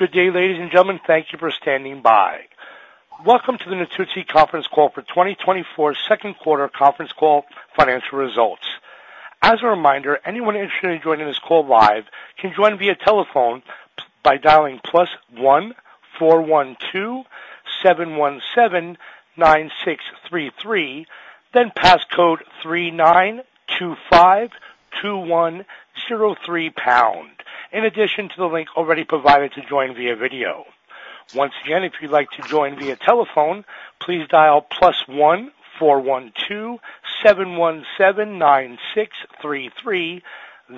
Good day, ladies and gentlemen. Thank you for standing by. Welcome to the Natuzzi conference call the 2024 second quarter financial results conference call, financial results. As a reminder, anyone interested in joining this call live can join via telephone by dialing +1 412 717 9633, then passcode 39252103 pound, in addition to the link already provided to join via video. Once again, if you'd like to join via telephone, please dial+1 412 717 9633,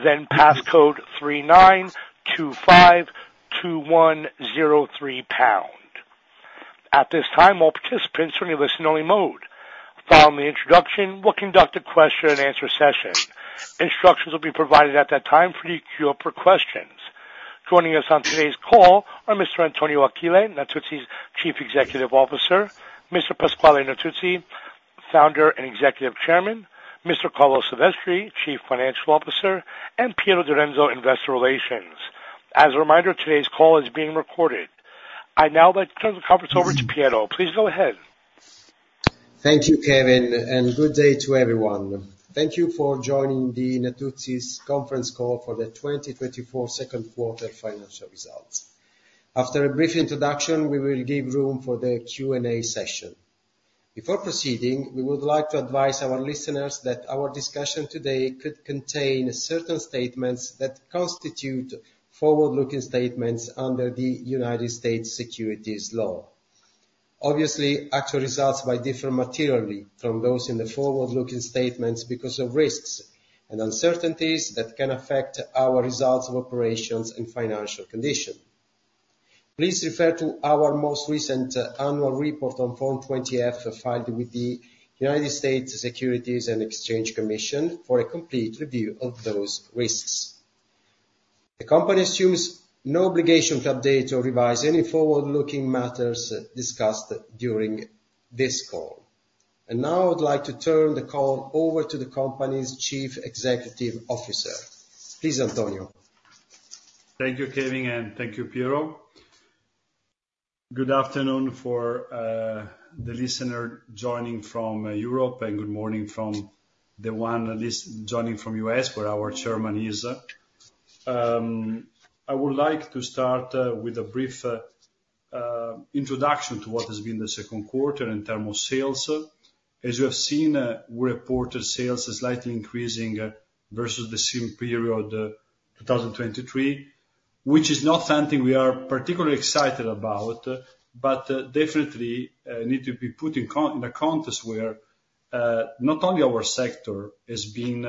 then passcode 39252103 pound. At this time, all participants are in listen-only mode. Following the introduction, we'll conduct a question and answer session. Instructions will be provided at that time for the queue for questions. Joining us on today's call are Mr. Antonio Achille, Natuzzi's Chief Executive Officer, Mr. Pasquale Natuzzi, Founder and Executive Chairman, Mr. Carlo Silvestri, Chief Financial Officer, and Piero Direnzo, Investor Relations. As a reminder, today's call is being recorded. I'd now like to turn the conference over to Piero. Please go ahead. Thank you, Kevin, and good day to everyone. Thank you for joining the Natuzzi's conference call for the 2024 second quarter financial results. After a brief introduction, we will give room for the Q&A session. Before proceeding, we would like to advise our listeners that our discussion today could contain certain statements that constitute forward-looking statements under the United States securities law. Obviously, actual results might differ materially from those in the forward-looking statements because of risks and uncertainties that can affect our results of operations and financial condition. Please refer to our most recent annual report on Form 20-F, filed with the United States Securities and Exchange Commission, for a complete review of those risks. The company assumes no obligation to update or revise any forward-looking matters discussed during this call. And now I would like to turn the call over to the company's Chief Executive Officer. Please, Antonio. Thank you, Kevin, and thank you, Piero. Good afternoon for the listener joining from Europe, and good morning from the one at least joining from U.S, where our chairman is. I would like to start with a brief introduction to what has been the second quarter in terms of sales. As you have seen, we reported sales as slightly increasing versus the same period 2023, which is not something we are particularly excited about, but definitely need to be put in the context where not only our sector is being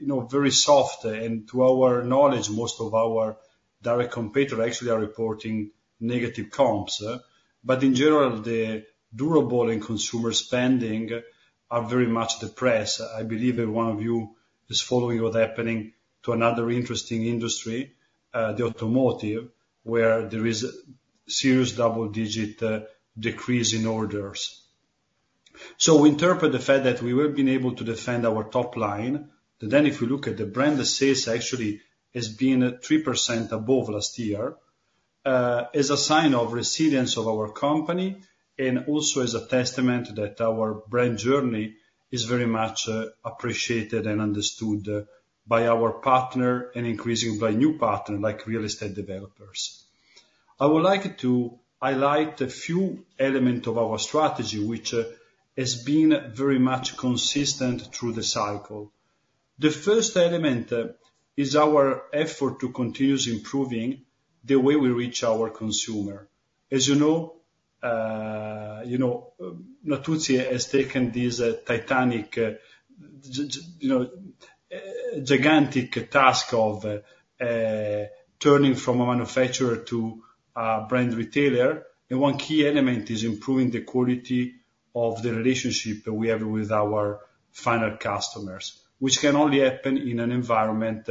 you know very soft, and to our knowledge, most of our direct competitor actually are reporting negative comps, but in general, the durable and consumer spending are very much depressed. I believe that one of you is following what's happening to another interesting industry, the automotive, where there is serious double-digit decrease in orders. So we interpret the fact that we have been able to defend our top line, but then if we look at the brand, the sales actually has been at 3% above last year, is a sign of resilience of our company, and also is a testament that our brand journey is very much appreciated and understood by our partner, and increasingly by new partner, like real estate developers. I would like to highlight a few elements of our strategy, which has been very much consistent through the cycle. The first element is our effort to continuously improving the way we reach our consumer. As you know, you know, Natuzzi has taken this titanic, you know, gigantic task of turning from a manufacturer to a brand retailer. One key element is improving the quality of the relationship that we have with our final customers, which can only happen in an environment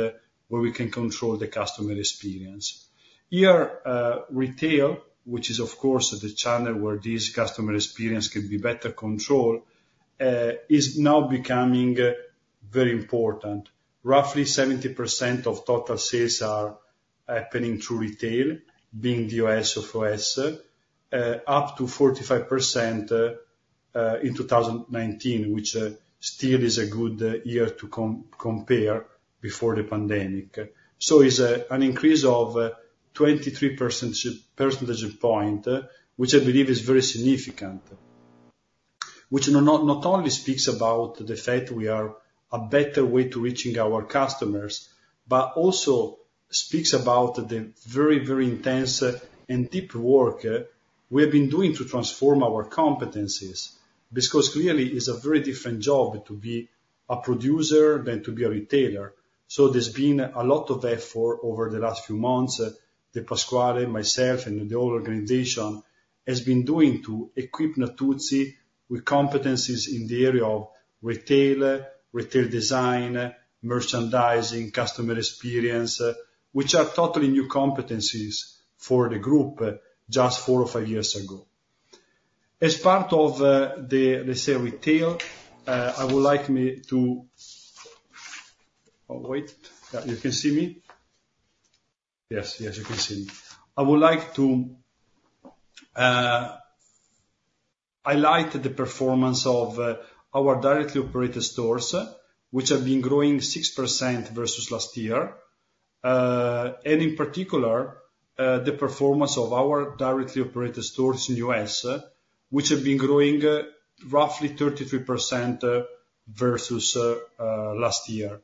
where we can control the customer experience. Here, retail, which is, of course, the channel where this customer experience can be better controlled, is now becoming very important. Roughly 70% of total sales are happening through retail, being in the US up to 45% in 2019, which still is a good year to compare before the pandemic. So is an increase of 23 percentage points, which I believe is very significant. Which not only speaks about the fact we are a better way to reaching our customers, but also speaks about the very, very intense and deep work, we have been doing to transform our competencies, because clearly, it's a very different job to be a producer than to be a retailer. So there's been a lot of effort over the last few months, that Pasquale, myself, and the whole organization, has been doing to equip Natuzzi with competencies in the area of retail, retail design, merchandising, customer experience, which are totally new competencies for the group just four or five years ago. As part of, the, let's say, retail, I would like me to. Oh, wait. You can see me? Yes, yes, you can see me. I would like to highlight the performance of our directly operated stores, which have been growing 6% versus last year, and in particular, the performance of our directly operated stores in the U.S., which have been growing roughly 33% versus last year.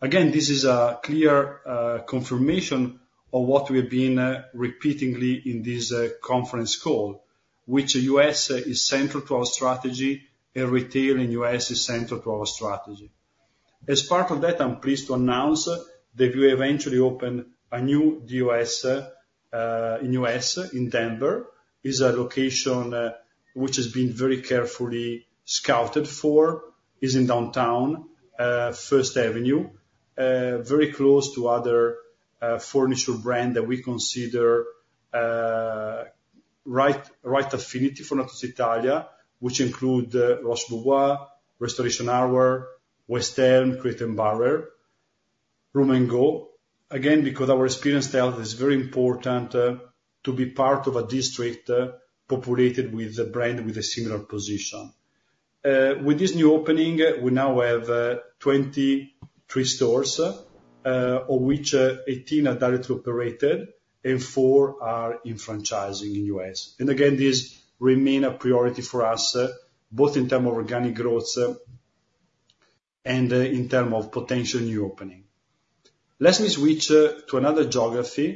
Again, this is a clear confirmation of what we've been repeatedly saying in this conference call, that the U.S. is central to our strategy, and retail in the U.S. is central to our strategy. As part of that, I'm pleased to announce that we eventually opened a new DOS in the U.S., in Denver. It is a location which has been very carefully scouted for, is in Downtown First Avenue, very close to other furniture brand that we consider right affinity for Natuzzi Italia, which include Roche Bobois, Restoration Hardware, West Elm, Crate & Barrel, Room & Board. Again, because our experience tells us it is very important to be part of a district populated with a brand with a similar position. With this new opening, we now have 23 stores, of which 18 are directly operated and 4 are in franchising in U.S. And again, these remain a priority for us both in term of organic growth and in term of potential new opening. Let me switch to another geography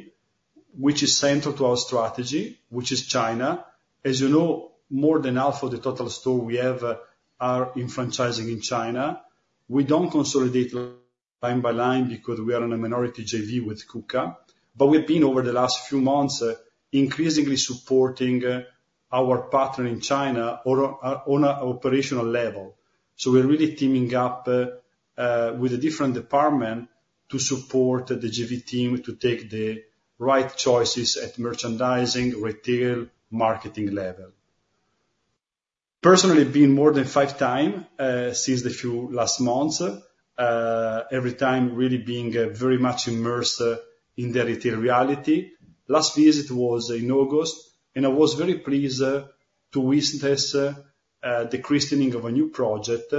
which is central to our strategy, which is China. As you know, more than half of the total stores we have are in franchising in China. We don't consolidate line by line because we are in a minority JV with KUKA, but we've been, over the last few months, increasingly supporting our partner in China on an operational level. So we're really teaming up with a different department to support the JV team to take the right choices at merchandising, retail, marketing level. Personally, been more than five times since the last few months, every time really being very much immersed in the retail reality. Last visit was in August, and I was very pleased to witness the christening of a new project,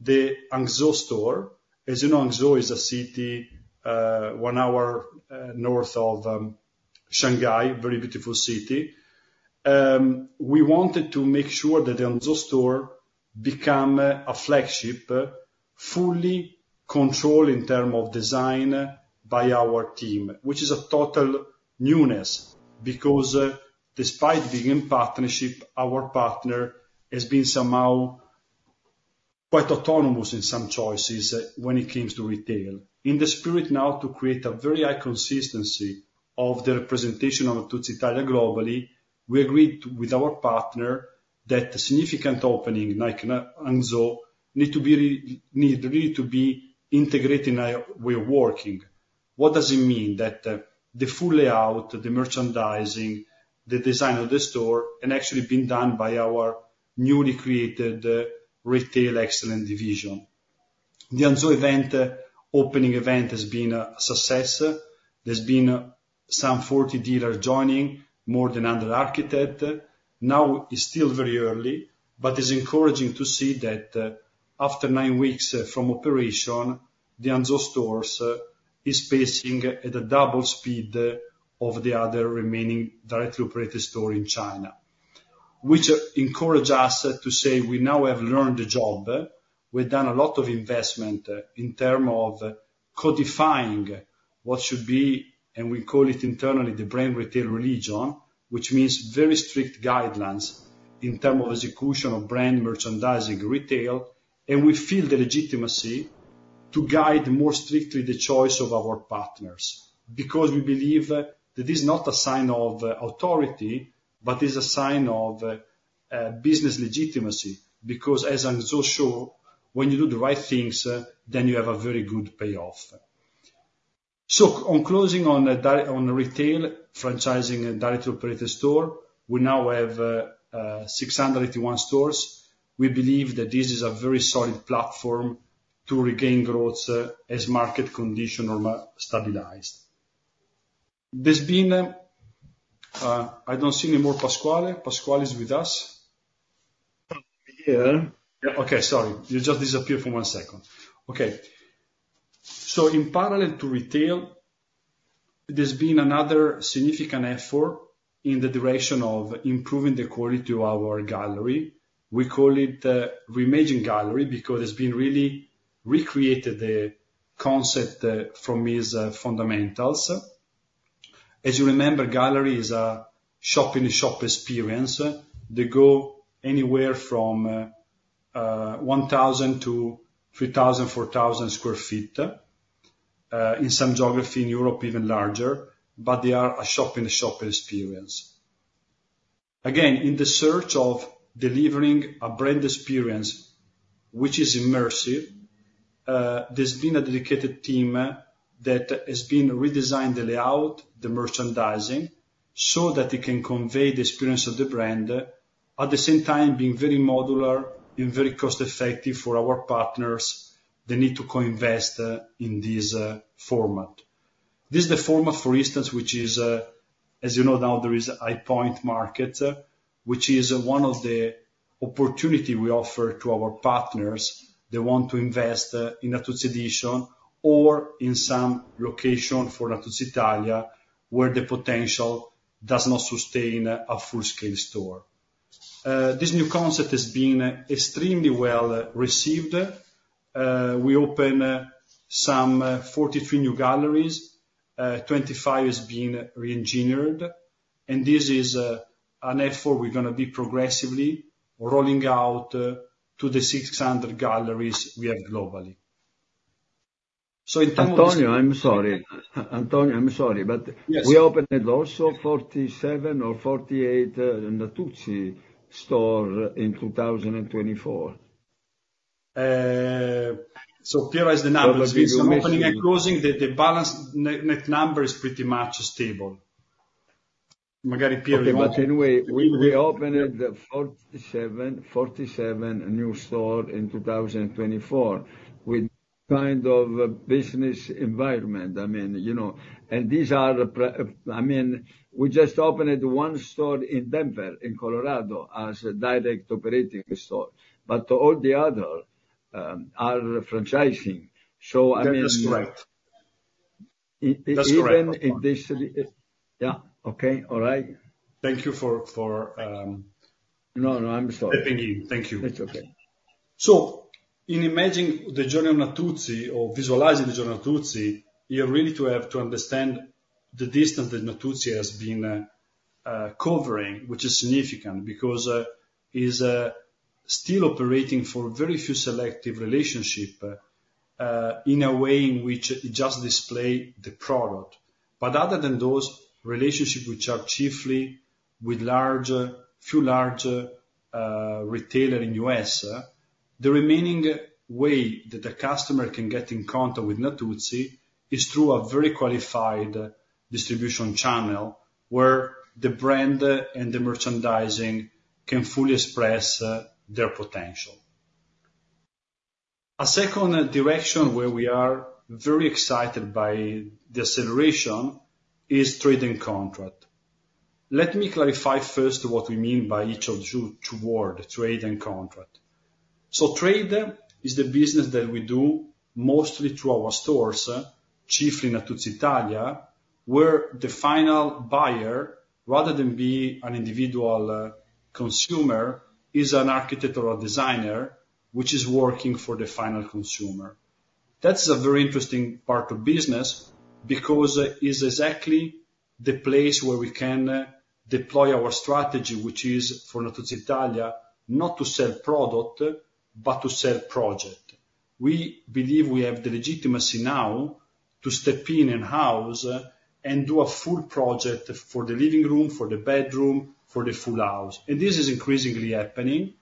the Hangzhou store. As you know, Hangzhou is a city one hour north of Shanghai, very beautiful city. We wanted to make sure that the Hangzhou store become a flagship, fully controlled in term of design by our team, which is a total newness, because, despite being in partnership, our partner has been somehow quite autonomous in some choices when it comes to retail. In the spirit now to create a very high consistency of the representation of Natuzzi Italia globally, we agreed with our partner that a significant opening, like, Hangzhou, need really to be integrated in our way of working. What does it mean? That, the full layout, the merchandising, the design of the store, and actually being done by our newly created, retail excellence division. The Hangzhou event, opening event, has been a success. There's been, some 40 dealers joining, more than 100 architect. Now, it's still very early, but it's encouraging to see that, after nine weeks from operation, the Hangzhou stores is pacing at a double speed of the other remaining directly operated store in China, which encourage us to say we now have learned the job. We've done a lot of investment in term of codifying what should be, and we call it internally, the brand retail religion, which means very strict guidelines in term of execution of brand merchandising retail. And we feel the legitimacy to guide more strictly the choice of our partners, because we believe that it is not a sign of authority, but is a sign of business legitimacy. Because as I'm so sure, when you do the right things, then you have a very good payoff. In closing on retail, franchising, and directly operated stores, we now have 681 stores. We believe that this is a very solid platform to regain growth as market conditions stabilized. I don't see Pasquale any more. Pasquale is with us? I'm here. Yeah. Okay, sorry. You just disappeared for one second. Okay. So in parallel to retail, there's been another significant effort in the direction of improving the quality of our gallery. We call it re-imagining gallery, because it's been really recreated the concept from its fundamentals. As you remember, gallery is a shop-in-a-shop experience. They go anywhere from 1,000 to 3,000-4,000 sq ft in some geography, in Europe, even larger, but they are a shop-in-a-shop experience. Again, in the search of delivering a brand experience which is immersive, there's been a dedicated team that has been redesigning the layout, the merchandising, so that it can convey the experience of the brand, at the same time, being very modular and very cost effective for our partners. They need to co-invest in this format. This is the format, for instance, which is, as you know now, there is High Point Market, which is one of the opportunity we offer to our partners. They want to invest, in a Natuzzi Editions or in some location for Natuzzi Italia, where the potential does not sustain, a full-scale store. This new concept has been extremely well, received. We opened, some, 43 new galleries, 25 is being reengineered, and this is, an effort we're gonna be progressively rolling out, to the 600 galleries we have globally. So in terms- Antonio, I'm sorry, but- Yes. We opened also 47 or 48 Natuzzi store in 2024. So clear as the numbers, between some opening and closing, the balance net number is pretty much stable. Maybe Piero Okay, but anyway, we opened forty-seven new stores in 2024 with kind of a business environment. I mean, you know. And I mean, we just opened one store in Denver, in Colorado, as a directly operated store, but all the other are franchising. So, I mean That is right. I-i- That's correct. Yeah. Okay. All right. Thank you for. No, no, I'm sorry. Thank you. It's okay. So in imagining the journey of Natuzzi or visualizing the journey of Natuzzi, you're really to have to understand the distance that Natuzzi has been covering, which is significant because is still operating for very few selective relationship in a way in which it just display the product. But other than those relationships, which are chiefly with large, few large, retailer in U.S., the remaining way that the customer can get in contact with Natuzzi is through a very qualified distribution channel, where the brand and the merchandising can fully express their potential. A second direction where we are very excited by the acceleration is trade and contract. Let me clarify first what we mean by each of two, two word, trade and contract. So trade is the business that we do mostly through our stores, chiefly Natuzzi Italia, where the final buyer, rather than be an individual, consumer, is an architectural designer, which is working for the final consumer. That's a very interesting part of business because, it's exactly the place where we can, deploy our strategy, which is for Natuzzi Italia, not to sell product, but to sell project. We believe we have the legitimacy now to step in in-house and do a full project for the living room, for the bedroom, for the full house. And this is increasingly happening.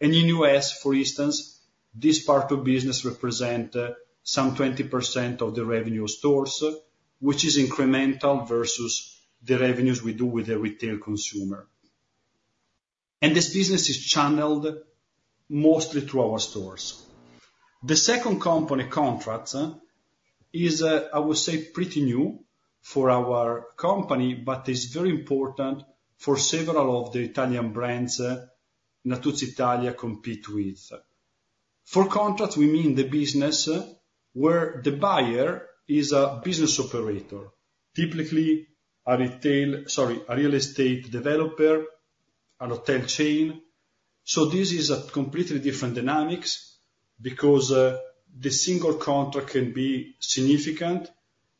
And in U.S., for instance, this part of business represent, some 20% of the revenue stores, which is incremental versus the revenues we do with the retail consumer. And this business is channeled mostly through our stores. The second company, contracts, is, I would say, pretty new for our company, but is very important for several of the Italian brands Natuzzi Italia compete with. For contracts, we mean the business where the buyer is a business operator, typically a real estate developer, a hotel chain. This is a completely different dynamics because the single contract can be significant.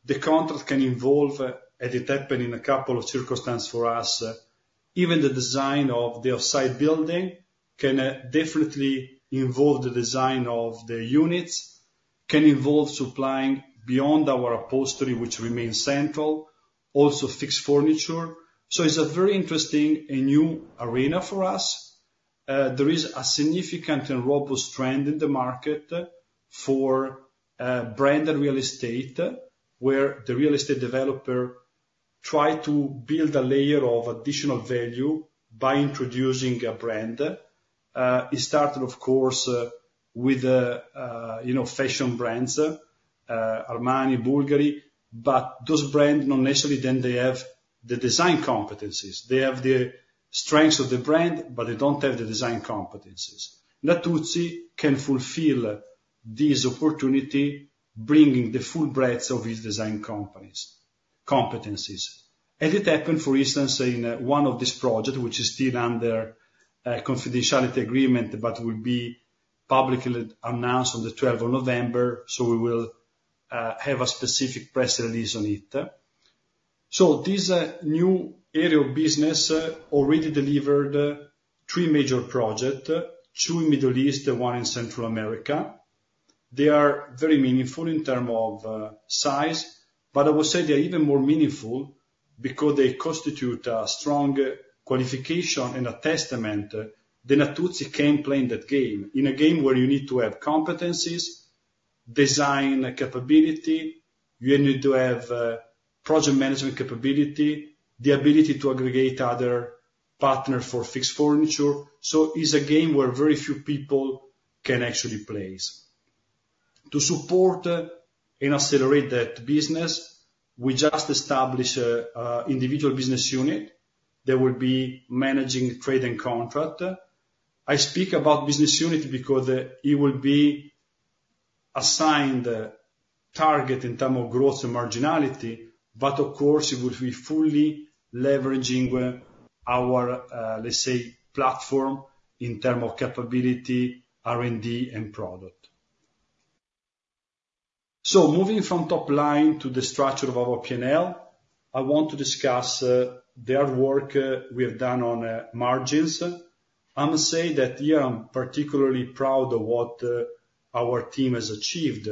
The contract can involve, and it happened in a couple of circumstances for us, even the design of their entire building, can definitely involve the design of the units, can involve supplying beyond our upholstery, which remains central, also fixed furniture. It's a very interesting and new arena for us. There is a significant and robust trend in the market for brand and real estate, where the real estate developer try to build a layer of additional value by introducing a brand. It started, of course, with you know, fashion brands, Armani, Bulgari, but those brands, not necessarily, then they have the design competencies. They have the strengths of the brand, but they don't have the design competencies. Natuzzi can fulfill this opportunity, bringing the full breadth of these design company competencies. As it happened, for instance, in one of these projects, which is still under confidentiality agreement, but will be publicly announced on the twelfth of November, so we will have a specific press release on it. So this new area of business already delivered three major project two in Middle East, one in Central America. They are very meaningful in term of size, but I would say they are even more meaningful because they constitute a strong qualification and a testament, then Natuzzi can play in that game. In a game where you need to have competencies, design capability, you need to have project management capability, the ability to aggregate other partners for fixed furniture. So is a game where very few people can actually place. To support and accelerate that business, we just established a individual business unit that will be managing trade and contract. I speak about business unit because it will be assigned target in term of growth and marginality, but of course, it will be fully leveraging our let's say platform in term of capability, R&D, and product. So moving from top line to the structure of our P&L, I want to discuss the hard work we have done on margins. I must say that, yeah, I'm particularly proud of what our team has achieved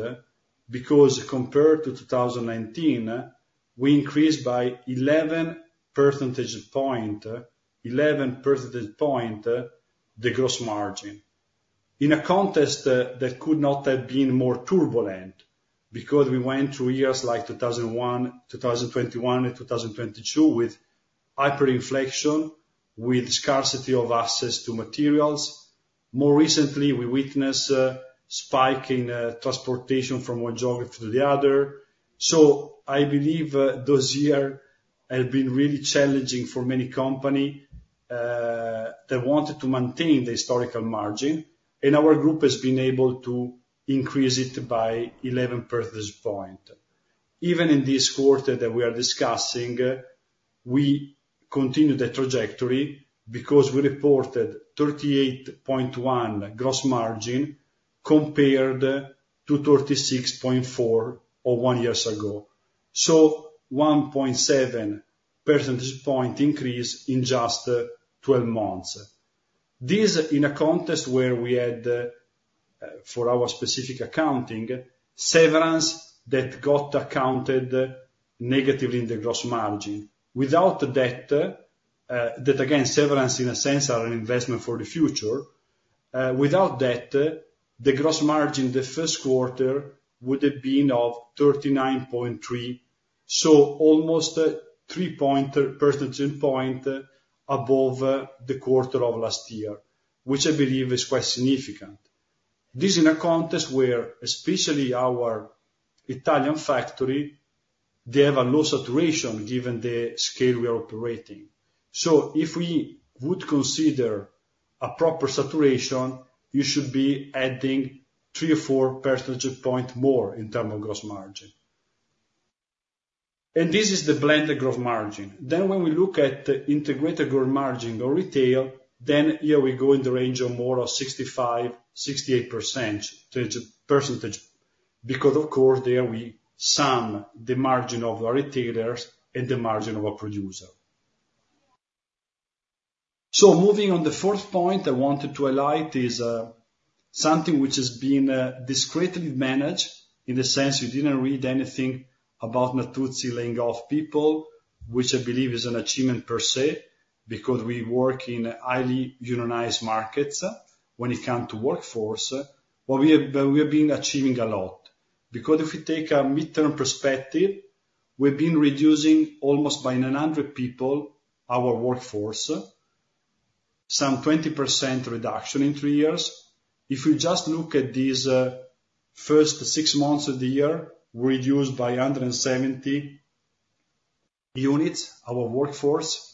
because compared to 2019 we increased by 11 percentage point, 11 percentage point the gross margin. In a context that could not have been more turbulent, because we went through years like 2021 and 2022, with hyperinflation, with scarcity of access to materials. More recently, we witness a spike in transportation from one geography to the other. So I believe those years have been really challenging for many companies that wanted to maintain the historical margin, and our group has been able to increase it by eleven percentage points. Even in this quarter that we are discussing, we continued the trajectory because we reported 38.1% gross margin, compared to 36.4% of one year ago, so 1.7 percentage points increase in just twelve months. This in a context where we had, for our specific accounting, severance that got accounted negatively in the gross margin. Without that severance, in a sense, are an investment for the future. Without that, the gross margin, the first quarter would have been 39.3%, so almost three percentage points above the quarter of last year, which I believe is quite significant. This in a context where, especially our Italian factory, they have a low saturation given the scale we are operating. So if we would consider a proper saturation, you should be adding three or four percentage points more in terms of gross margin. And this is the blended gross margin. Then when we look at the integrated gross margin or retail, then here we go in the range of more of 65%-68%, because of course, there we sum the margin of our retailers and the margin of a producer. Moving on to the fourth point I wanted to highlight is something which has been discreetly managed, in the sense you didn't read anything about Natuzzi laying off people, which I believe is an achievement per se, because we work in highly unionized markets when it comes to workforce. But we have been achieving a lot, because if we take a midterm perspective, we've been reducing almost by 900 people, our workforce, some 20% reduction in three years. If we just look at these first six months of the year, reduced by 170 units, our workforce,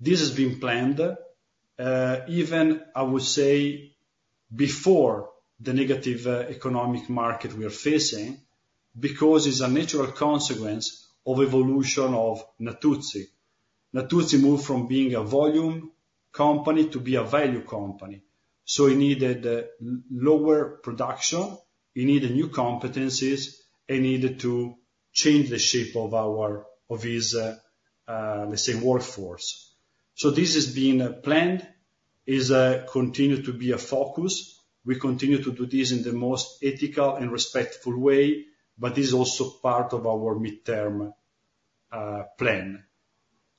this has been planned even, I would say, before the negative economic market we are facing, because it's a natural consequence of evolution of Natuzzi. Natuzzi moved from being a volume company to be a value company, so we needed lower production, we needed new competencies, and needed to change the shape of our, let's say, workforce. So this has been planned, is continued to be a focus. We continue to do this in the most ethical and respectful way, but is also part of our midterm plan.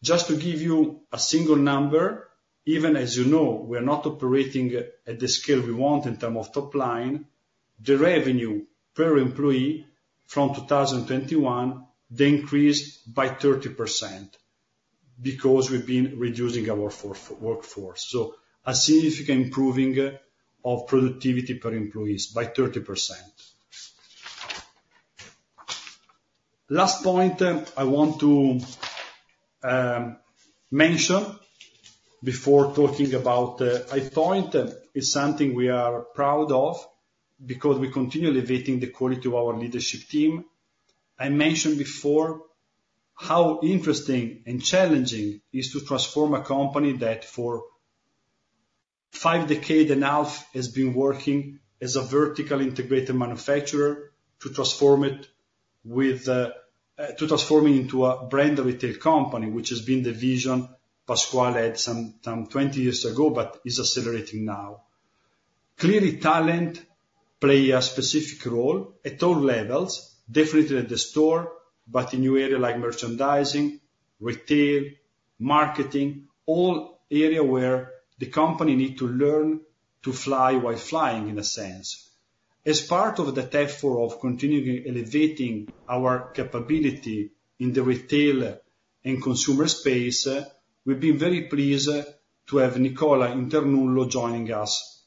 Just to give you a single number, even as you know, we are not operating at the scale we want in term of top line, the revenue per employee from 2021, they increased by 30% because we've been reducing our workforce. So a significant improving of productivity per employees by 30%. Last point, I want to mention before talking about, I thought it's something we are proud of, because we continue elevating the quality of our leadership team. I mentioned before how interesting and challenging is to transform a company that for five decade and half has been working as a vertically integrated manufacturer, to transform it with, to transform it into a brand retail company, which has been the vision Pasquale had some time 20 years ago, but is accelerating now. Clearly, talent play a specific role at all levels, definitely at the store, but in new area like merchandising, retail, marketing, all area where the company need to learn to fly while flying, in a sense. As part of the effort of continuing elevating our capability in the retail and consumer space, we've been very pleased to have Nicola Internullo joining us.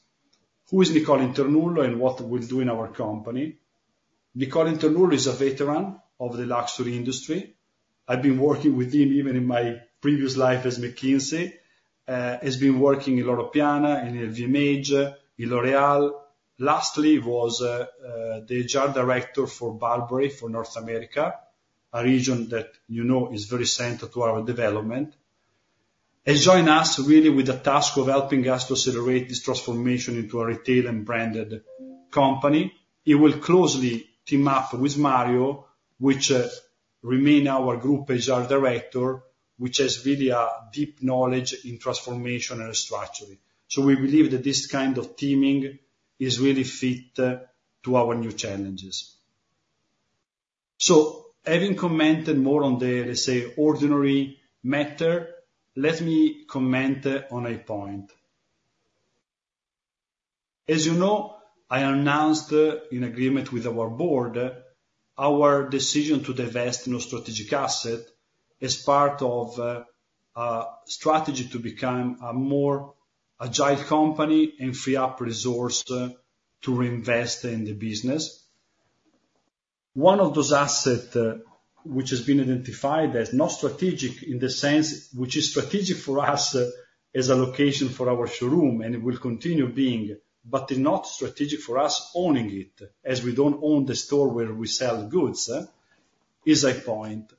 Who is Nicola Internullo, and what will do in our company? Nicola Internullo is a veteran of the luxury industry. I've been working with him even in my previous life as McKinsey. He's been working in Loro Piana, in LVMH, in L'Oréal. Lastly, he was the general director for Burberry, for North America, a region that, you know, is very central to our development. He joined us really with the task of helping us to accelerate this transformation into a retail and branded company. He will closely team up with Mario, which remain our group HR director, which has really a deep knowledge in transformation and restructuring. So we believe that this kind of teaming is really fit to our new challenges. So having commented more on the, let's say, ordinary matter, let me comment on High Point. As you know, I announced, in agreement with our board, our decision to divest non-strategic assets as part of a strategy to become a more agile company and free up resources to reinvest in the business. One of those assets, which has been identified as non-strategic, in the sense which is strategic for us as a location for our showroom, and it will continue being, but not strategic for us owning it, as we don't own the store where we sell the goods, is High Point.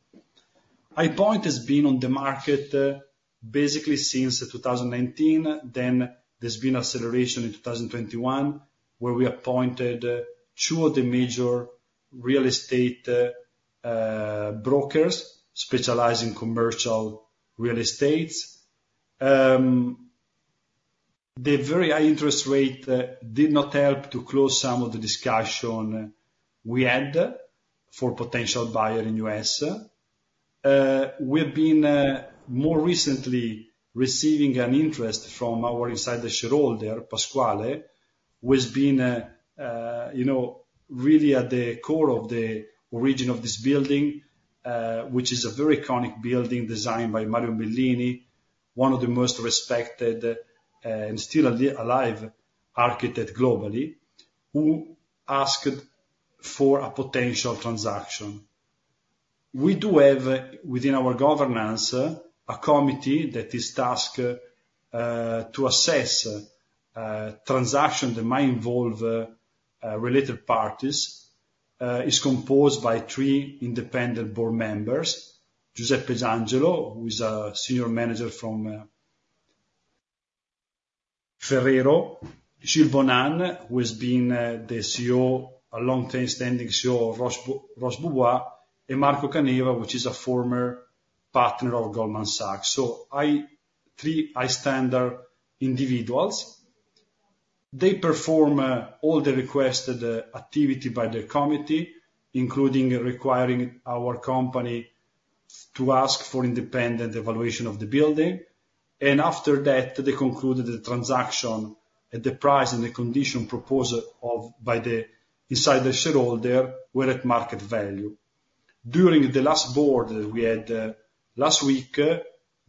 High Point has been on the market, basically since 2019, then there's been acceleration in 2021, where we appointed two of the major real estate brokers, specialized in commercial real estate. The very high interest rate did not help to close some of the discussion we had for potential buyer in U.S. We've been more recently receiving an interest from our insider shareholder, Pasquale, who has been, you know, really at the core of the origin of this building, which is a very iconic building designed by Mario Bellini, one of the most respected, and still alive architect globally, who asked for a potential transaction. We do have, within our governance, a committee that is tasked to assess transaction that might involve related parties. It is composed by three independent board members: Giuseppe D'Angelo, who is a senior manager from Ferrero; Gilles Bonan, who has been the CEO, a long-standing CEO of Roche Bobois, and Marco Caneva, which is a former partner of Goldman Sachs. So, three high-standard individuals. They perform all the requested activity by the committee, including requiring our company to ask for independent evaluation of the building. And after that, they concluded the transaction at the price and the condition proposed of, by the insider shareholder were at market value. During the last board we had last week,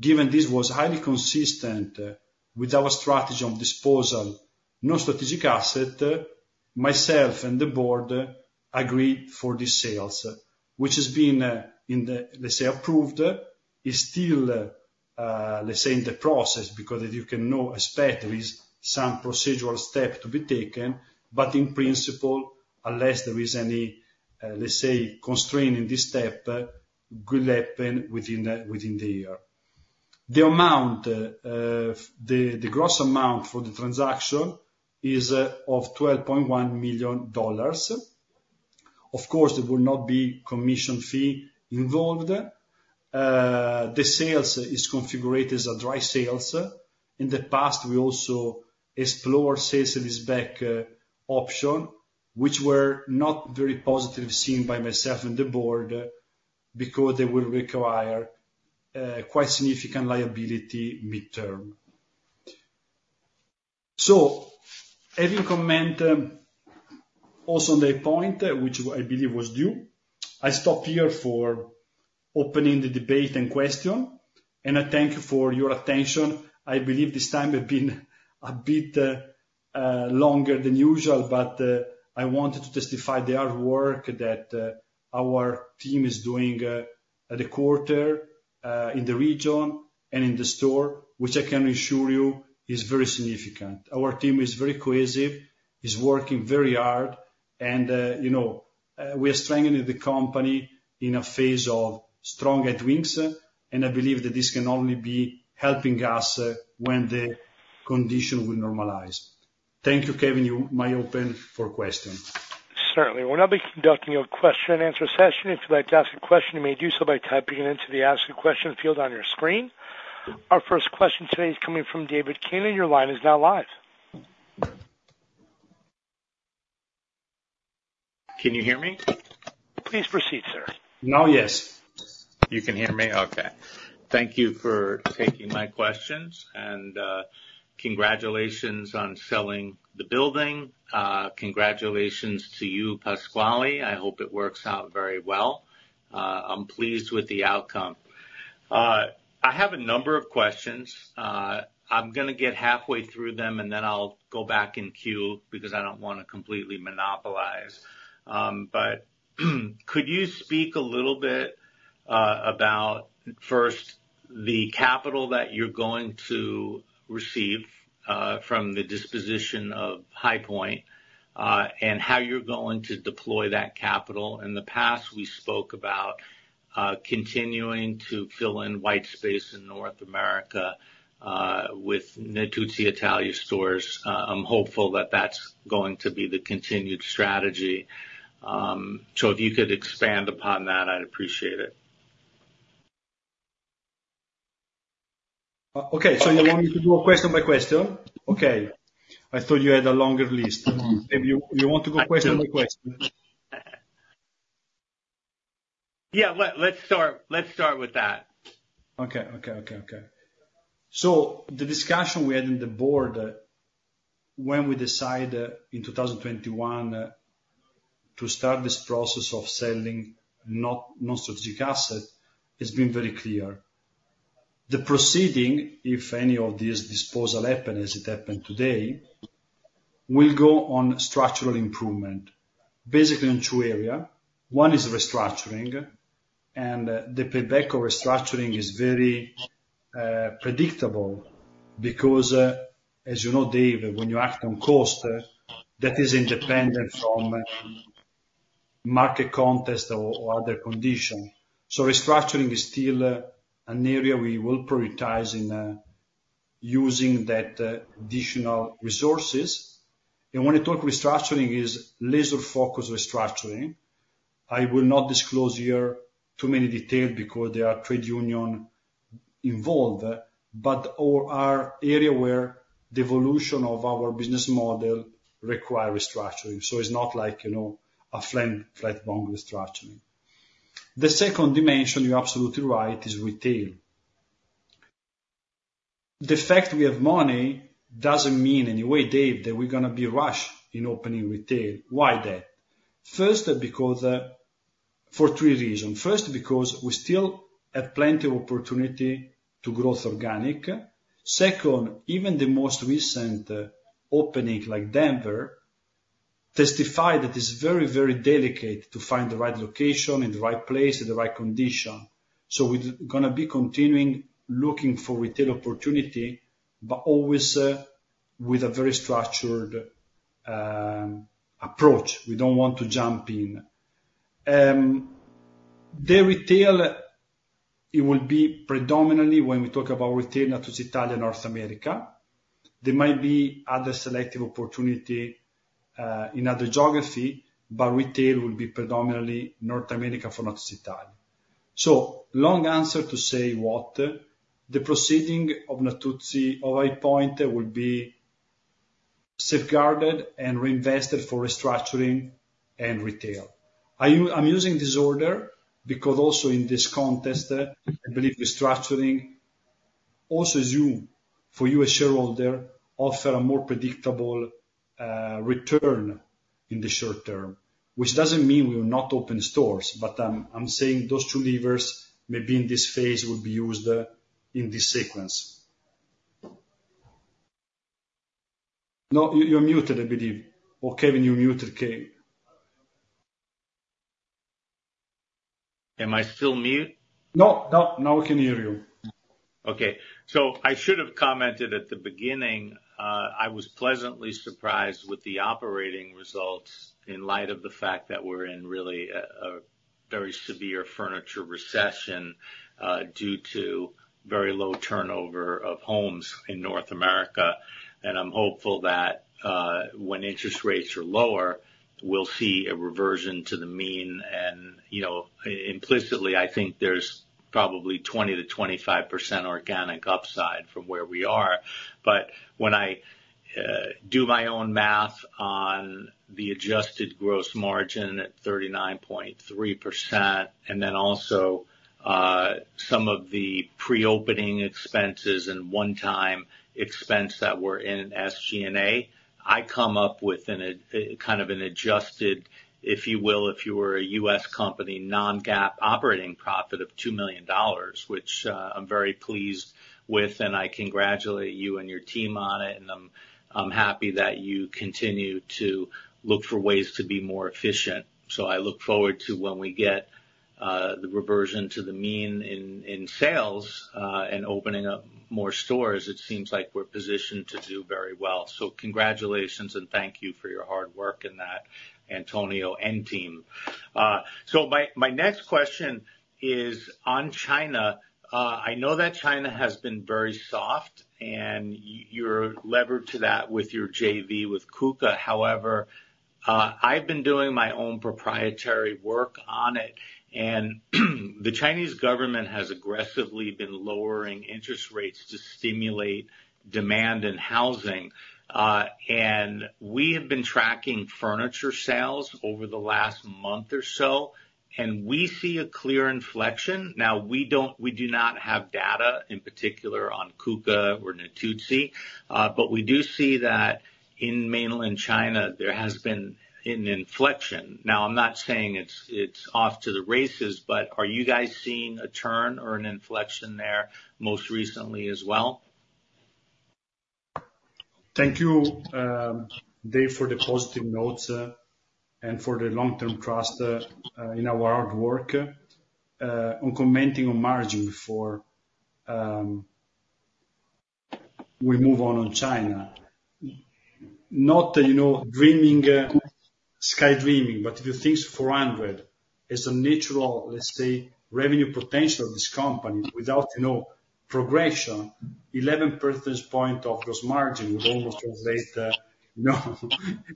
given this was highly consistent with our strategy on disposal, non-strategic asset, myself and the board agreed for the sales, which has been, in the, let's say, approved. It's still, let's say, in the process, because as you can know or expect, there is some procedural step to be taken, but in principle, unless there is any, let's say, constraint in this step, will happen within the year. The amount, the gross amount for the transaction is of $12.1 million. Of course, there will not be commission fee involved. The sale is configured as a dry sale. In the past, we also explored sale-leaseback options, which were not very positively seen by myself and the board, because they will require quite significant liability mid-term. So having commented also on the point, which I believe was due, I stop here for opening the debate and question, and I thank you for your attention. I believe this time has been a bit longer than usual, but I wanted to testify the hard work that our team is doing at the quarter in the region, and in the store, which I can assure you is very significant. Our team is very cohesive, is working very hard, and you know we are strengthening the company in a phase of strong headwinds, and I believe that this can only be helping us when the condition will normalize. Thank you, Kevin, you may open for questions. Certainly. We'll now be conducting a question and answer session. If you'd like to ask a question, you may do so by typing it into the Ask a Question field on your screen. Our first question today is coming from David Keenan. Your line is now live. Can you hear me? Please proceed, sir. Now, yes. You can hear me? Okay. Thank you for taking my questions, and congratulations on selling the building. Congratulations to you, Pasquale. I hope it works out very well. I'm pleased with the outcome. I have a number of questions. I'm gonna get halfway through them, and then I'll go back in queue because I don't wanna completely monopolize. But could you speak a little bit about, first, the capital that you're going to receive from the disposition of High Point and how you're going to deploy that capital? In the past, we spoke about continuing to fill in white space in North America with Natuzzi Italia stores. I'm hopeful that that's going to be the continued strategy. So if you could expand upon that, I'd appreciate it. Okay, so you want me to do a question by question? Okay. I thought you had a longer list. If you want to go question by question. Yeah, let's start with that. Okay. So the discussion we had in the board when we decided in 2021 to start this process of selling non-strategic asset, it's been very clear. The proceeding, if any of these disposal happen, as it happened today, will go on structural improvement. Basically, in two area. One is restructuring, and the payback of restructuring is very predictable because, as you know, Dave, when you act on cost, that is independent from market context or other conditions. So restructuring is still an area we will prioritize in using that additional resources. And when I talk restructuring, is laser-focused restructuring. I will not disclose here too many detail because there are trade union involved, but all our area where the evolution of our business model require restructuring, so it's not like, you know, a blanket restructuring. The second dimension, you're absolutely right, is retail. The fact we have money doesn't mean any way, Dave, that we're gonna be rushed in opening retail. Why that? First, because for three reasons. First, because we still have plenty of opportunity to growth organic. Second, even the most recent opening, like Denver, testify that it's very, very delicate to find the right location in the right place, at the right condition. So we're gonna be continuing looking for retail opportunity, but always with a very structured approach. We don't want to jump in. The retail, it will be predominantly when we talk about retail, Natuzzi Italia, North America. There might be other selective opportunity in other geography, but retail will be predominantly North America for Natuzzi Italia. So long answer to say what? The proceeds of Natuzzi, of High Point, will be safeguarded and reinvested for restructuring and retail. I'm using this order because also in this context, I believe restructuring also soon for you as shareholder offers a more predictable return in the short term. Which doesn't mean we will not open stores, but I'm saying those two levers, maybe in this phase, will be used in this sequence. No, you're muted, I believe. Or Kevin, you're muted, Kevin. Am I still mute? No, no, now we can hear you. Okay. So I should have commented at the beginning. I was pleasantly surprised with the operating results in light of the fact that we're in really a very severe furniture recession due to very low turnover of homes in North America. And I'm hopeful that when interest rates are lower, we'll see a reversion to the mean, and you know, implicitly, I think there's probably 20% - 25% organic upside from where we are. But when I do my own math on the adjusted gross margin at 39.3%, and then also some of the pre-opening expenses and one-time expense that were in SG&A, I come up with a kind of an adjusted, if you will, if you were a U.S. company, non-GAAP operating profit of $2 million, which I'm very pleased with, and I congratulate you and your team on it, and I'm happy that you continue to look for ways to be more efficient. So I look forward to when we get the reversion to the mean in sales and opening up more stores. It seems like we're positioned to do very well. So congratulations, and thank you for your hard work in that, Antonio and team. So my next question is on China. I know that China has been very soft, and you're levered to that with your JV with Kuka. However, I've been doing my own proprietary work on it, and the Chinese government has aggressively been lowering interest rates to stimulate demand in housing, and we have been tracking furniture sales over the last month or so, and we see a clear inflection. Now, we don't, we do not have data, in particular, on Kuka or Natuzzi, but we do see that in mainland China, there has been an inflection. Now, I'm not saying it's off to the races, but are you guys seeing a turn or an inflection there most recently as well? Thank you, Dave, for the positive notes, and for the long-term trust, in our hard work. On commenting on margin before we move on to China. Not that you know, dreaming, sky dreaming, but if you think 400 is a natural, let's say, revenue potential of this company without, you know, progression, 11 percentage point of gross margin would almost translate, you know,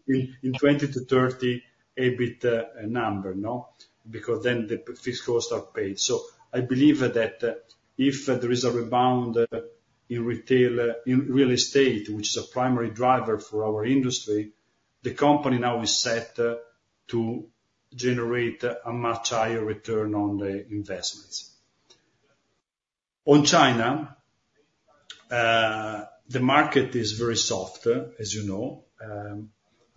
in 20-30 EBIT number, no? Because then the fixed costs are paid. So I believe that if there is a rebound in retail in real estate, which is a primary driver for our industry, the company now is set to generate a much higher return on the investments. On China, the market is very soft, as you know.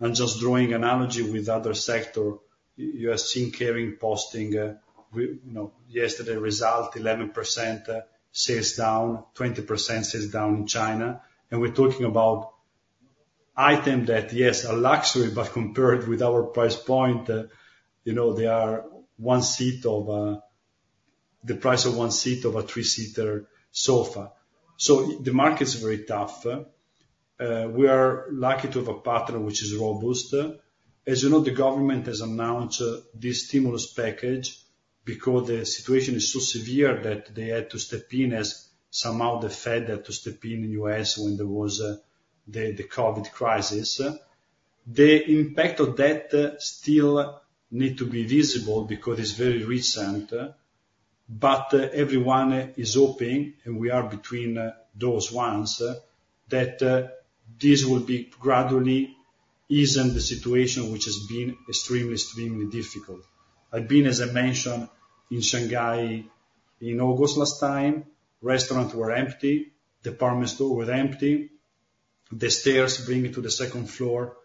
I'm just drawing analogy with other sector. You have seen Kering posting, you know, yesterday result, 11%, sales down, 20% sales down in China, and we're talking about item that, yes, are luxury, but compared with our price point, you know, they are one seat of a... the price of one seat of a three-seater sofa. So the market is very tough. We are lucky to have a partner which is robust. As you know, the government has announced, this stimulus package because the situation is so severe that they had to step in, as somehow the Fed had to step in, in the U.S. when there was, the COVID crisis. The impact of that still need to be visible because it's very recent, but everyone is hoping, and we are between those ones, that this will be gradually easing the situation, which has been extremely, extremely difficult. I've been, as I mentioned, in Shanghai in August last time. Restaurants were empty. Department store were empty. The stairs bringing to the second floor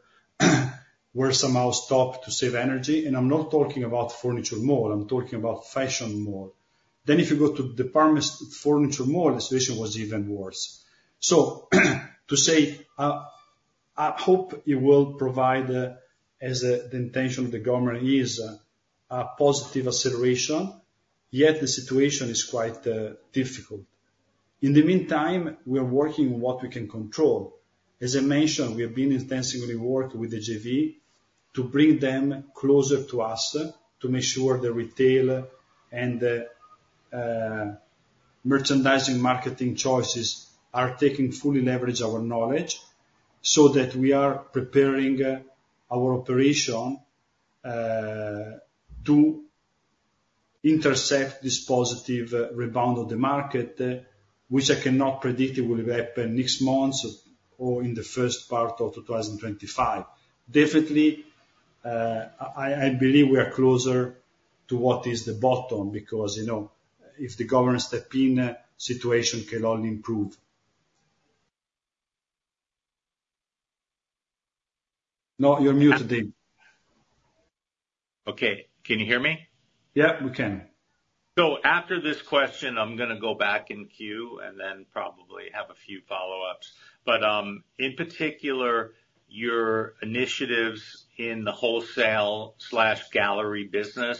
were somehow stopped to save energy. And I'm not talking about furniture mall, I'm talking about fashion mall. Then, if you go to department store furniture mall, the situation was even worse. So, to say, I hope it will provide, as the intention of the government is, a positive acceleration, yet the situation is quite difficult. In the meantime, we are working on what we can control. As I mentioned, we have been intensively working with the JV to bring them closer to us, to make sure the retailer and the merchandising marketing choices are taking fully leverage our knowledge, so that we are preparing our operation to intersect this positive rebound of the market, which I cannot predict it will happen next month or in the first part of 2025. Definitely, I believe we are closer to what is the bottom, because, you know, if the government step in, situation can only improve. No, you're muted, Dave. Okay. Can you hear me? Yeah, we can. So after this question, I'm gonna go back in queue and then probably have a few follow-ups. But, in particular, your initiatives in the wholesale slash gallery business,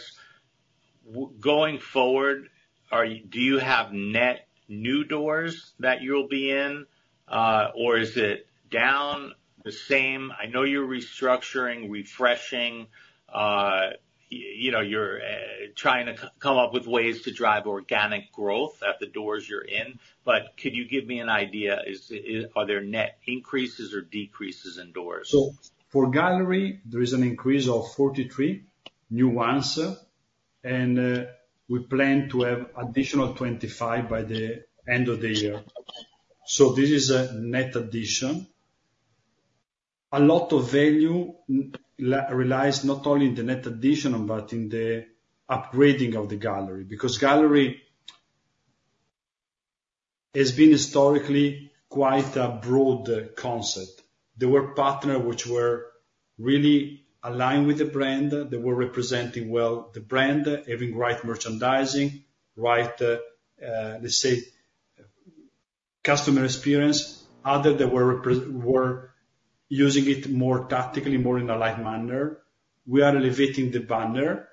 going forward, are you-- do you have net new doors that you'll be in, or is it down the same? I know you're restructuring, refreshing, you know, you're trying to come up with ways to drive organic growth at the doors you're in, but could you give me an idea, is it... Are there net increases or decreases in doors? So for gallery, there is an increase of 43 new ones, and we plan to have additional 25 by the end of the year. So this is a net addition. A lot of value relies not only in the net addition, but in the upgrading of the gallery, because gallery has been historically quite a broad concept. There were partner which were really aligned with the brand, they were representing well the brand, having right merchandising, right, let's say, customer experience. Other that were were using it more tactically, more in a light manner. We are elevating the banner,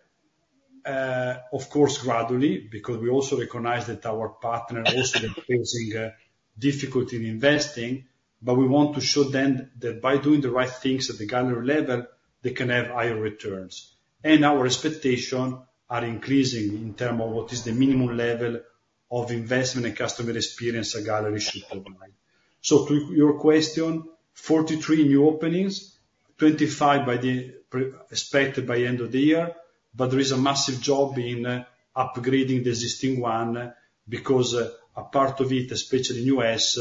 of course, gradually, because we also recognize that our partner also are facing difficulty in investing. But we want to show them that by doing the right things at the gallery level, they can have higher returns. Our expectations are increasing in terms of what is the minimum level of investment and customer experience a gallery should provide. To your question, 43 new openings, 25 by year-end expected by end of the year, but there is a massive job in upgrading the existing one, because a part of it, especially in the U.S.,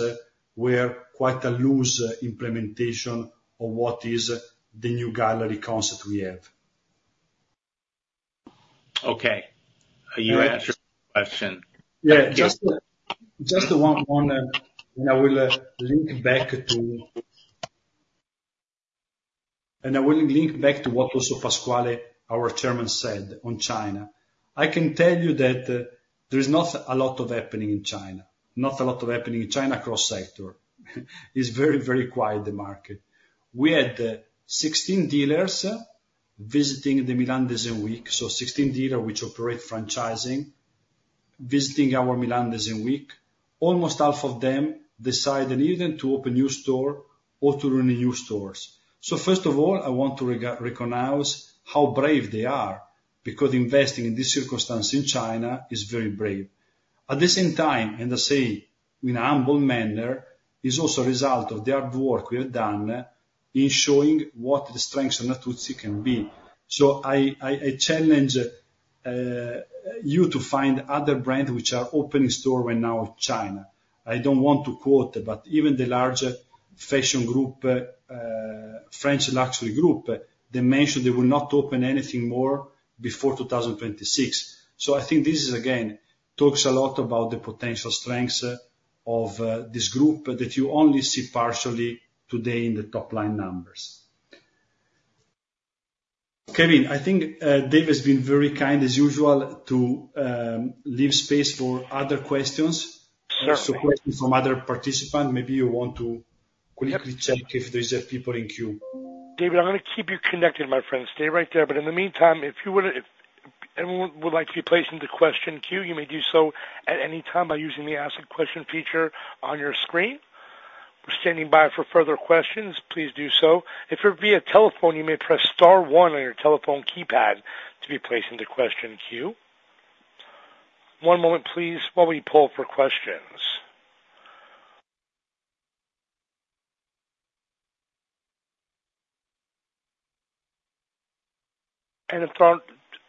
we have quite a loose implementation of what is the new gallery concept we have. Okay. You answered my question. Yeah, just one, and I will link back to what also Pasquale, our chairman, said on China. I can tell you that there is not a lot of happening in China. Not a lot of happening in China cross-sector. It's very, very quiet, the market. We had 16 dealers visiting the Milan Design Week, so 16 dealers which operate franchising, visiting our Milan Design Week. Almost half of them decided either to open new store or to renew stores. So first of all, I want to recognize how brave they are, because investing in this circumstance in China is very brave. At the same time, and I say in a humble manner, is also a result of the hard work we have done in showing what the strengths of Natuzzi can be. So I challenge you to find other brands which are opening store right now in China. I don't want to quote, but even the large fashion group, French luxury group, they mentioned they will not open anything more before 2026. So I think this, again, talks a lot about the potential strengths of this group, that you only see partially today in the top line numbers. Kevin, I think, Dave has been very kind, as usual, to leave space for other questions. Sure. So questions from other participants. Maybe you want to quickly check if there's people in queue. David, I'm gonna keep you connected, my friend. Stay right there. But in the meantime, if you wanna... If anyone would like to be placed into question queue, you may do so at any time by using the Ask a Question feature on your screen. We're standing by for further questions. Please do so. If you're via telephone, you may press star one on your telephone keypad to be placed into question queue. One moment, please, while we pull for questions. And,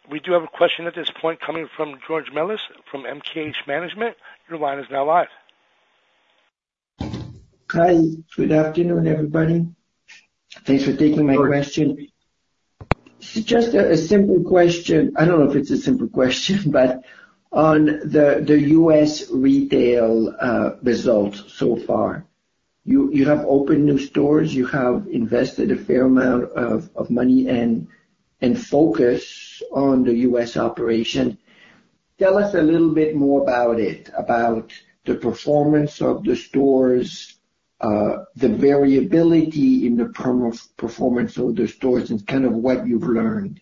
we do have a question at this point coming from George Melis, from MKH Management. Your line is now live. Hi, good afternoon, everybody. Thanks for taking my question. It's just a simple question. I don't know if it's a simple question, but on the U.S. retail results so far, you have opened new stores, you have invested a fair amount of money and focus on the U.S. operation. Tell us a little bit more about it, about the performance of the stores, the variability in the performance of the stores, and kind of what you've learned.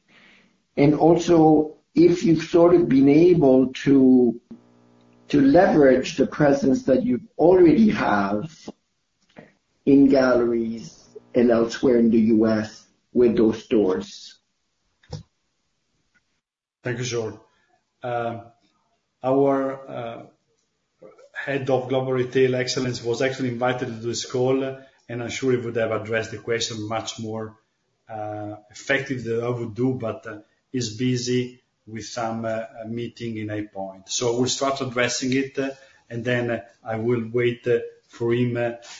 And also, if you've sort of been able to leverage the presence that you already have in galleries and elsewhere in the U.S. with those stores. Thank you, George. Our head of Global Retail Excellence was actually invited to do this call, and I'm sure he would have addressed the question much more effective than I would do, but he's busy with some meeting in Apex. We'll start addressing it, and then I will wait for him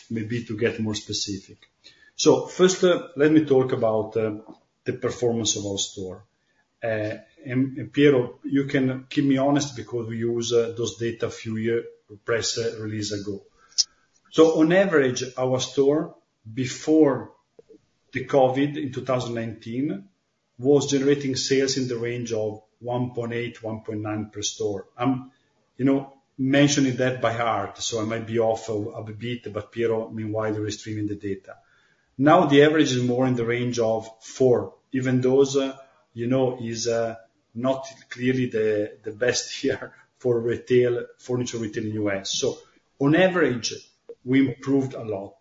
maybe to get more specific. First, let me talk about the performance of our store. Piero, you can keep me honest, because we used those data a few year press release ago. On average, our store, before the COVID in 2019, was generating sales in the range of $1.8 - $1.9 per store. I'm, you know, mentioning that by heart, so I might be off a bit, but Piero, meanwhile, is reading the data. Now, the average is more in the range of four, even those, you know, is not clearly the best year for retail, furniture retail in the U.S. So on average, we improved a lot.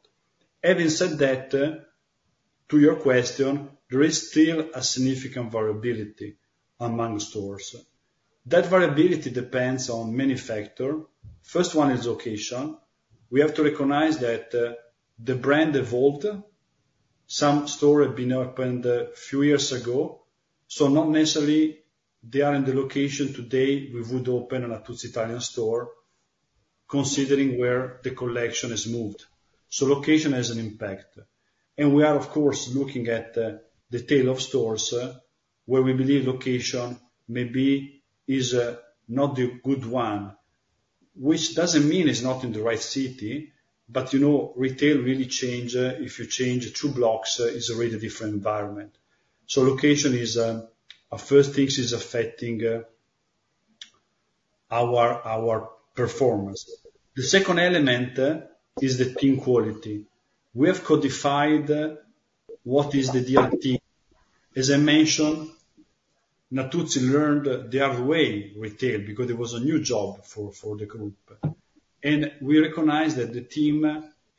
Having said that, to your question, there is still a significant variability among stores. That variability depends on many factors. First one is location. We have to recognize that, the brand evolved. Some stores had been opened a few years ago, so not necessarily they are in the location today we would open a Natuzzi Italia store, considering where the collection has moved. So location has an impact, and we are, of course, looking at the tail of stores, where we believe location maybe is not the good one, which doesn't mean it's not in the right city, but, you know, retail really changes. If you change two blocks, it's a really different environment. So location is the first thing affecting our performance. The second element is the team quality. We have codified what is the ideal team. As I mentioned, Natuzzi learned the hard way, retail, because it was a new job for the group. And we recognized that the team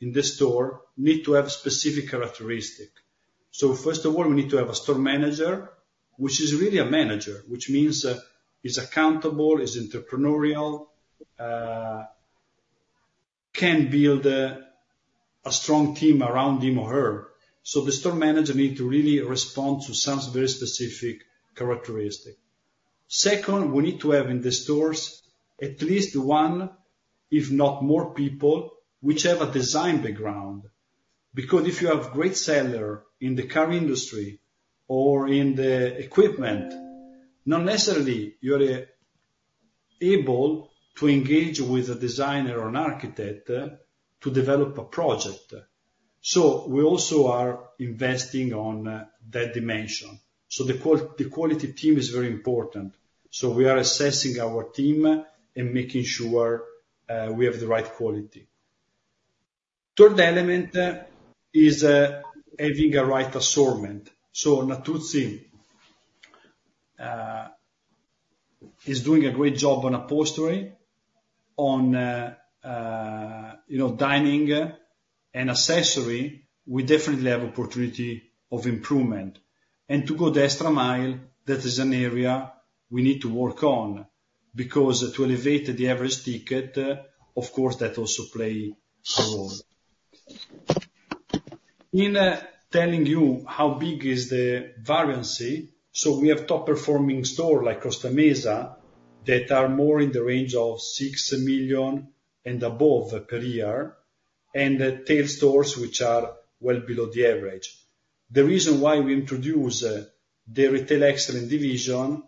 in the store need to have specific characteristics. So first of all, we need to have a store manager, which is really a manager, which means that he's accountable, he's entrepreneurial, can build a strong team around him or her. So the store manager need to really respond to some very specific characteristics. Second, we need to have in the stores at least one, if not more people, which have a design background. Because if you have great seller in the car industry or in the equipment, not necessarily you're able to engage with a designer or an architect to develop a project. So we also are investing on that dimension. So the quality team is very important. So we are assessing our team and making sure we have the right quality. Third element is having a right assortment. So Natuzzi is doing a great job on upholstery, on you know, dining and accessory, we definitely have opportunity of improvement. And to go the extra mile, that is an area we need to work on, because to elevate the average ticket, of course, that also play a role. In telling you how big is the variance, so we have top performing store like Costa Mesa, that are more in the range of $6 million and above per year, and tail stores, which are well below the average. The reason why we introduce the retail excellence division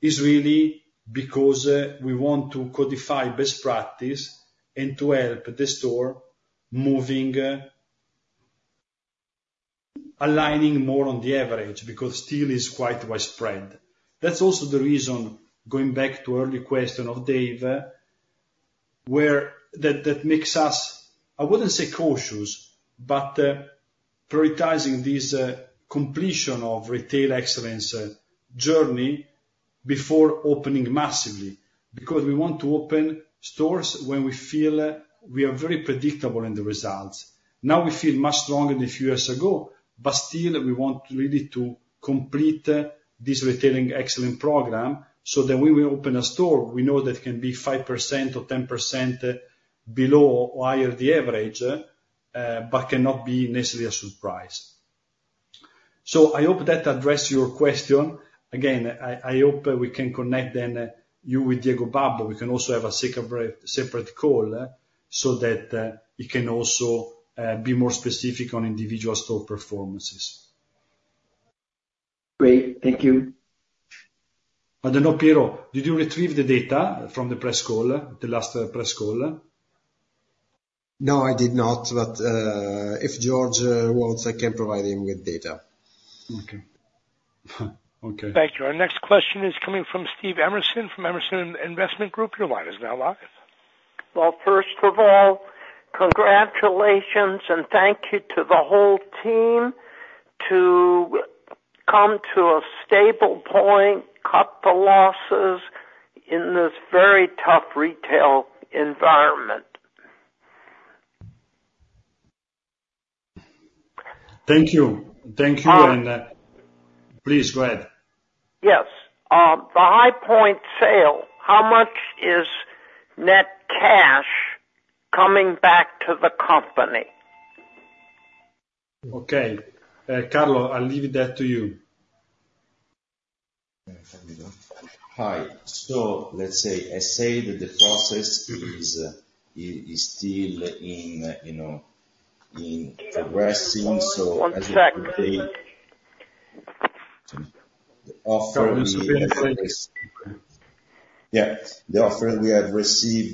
is really because we want to codify best practice and to help the store moving aligning more on the average, because still is quite widespread. That's also the reason, going back to early question of Dave, where that makes us, I wouldn't say cautious, but prioritizing this completion of retail excellence journey before opening massively, because we want to open stores when we feel we are very predictable in the results. Now, we feel much stronger than a few years ago, but still, we want really to complete this retail excellence program, so that when we open a store, we know that it can be 5% or 10% below or higher the average, but cannot be necessarily a surprise. So I hope that addressed your question. Again, I hope we can connect then, you with Diego Babbo. We can also have a second separate call, so that he can also be more specific on individual store performances. Great, thank you. I don't know, Piero, did you retrieve the data from the press call, the last press call? No, I did not, but if George wants, I can provide him with data. Okay. Okay. Thank you. Our next question is coming from Steve Emerson, from Emerson Investment Group. Your line is now live. First of all, congratulations and thank you to the whole team to come to a stable point, cut the losses in this very tough retail environment. Thank you. Thank you. Um Please go ahead. Yes. The High Point sale, how much is net cash coming back to the company? Okay. Carlo, I'll leave that to you. Hi. So let's say I say that the process is still in progress, you know. So as of today- One sec.... Yeah. The offer we have received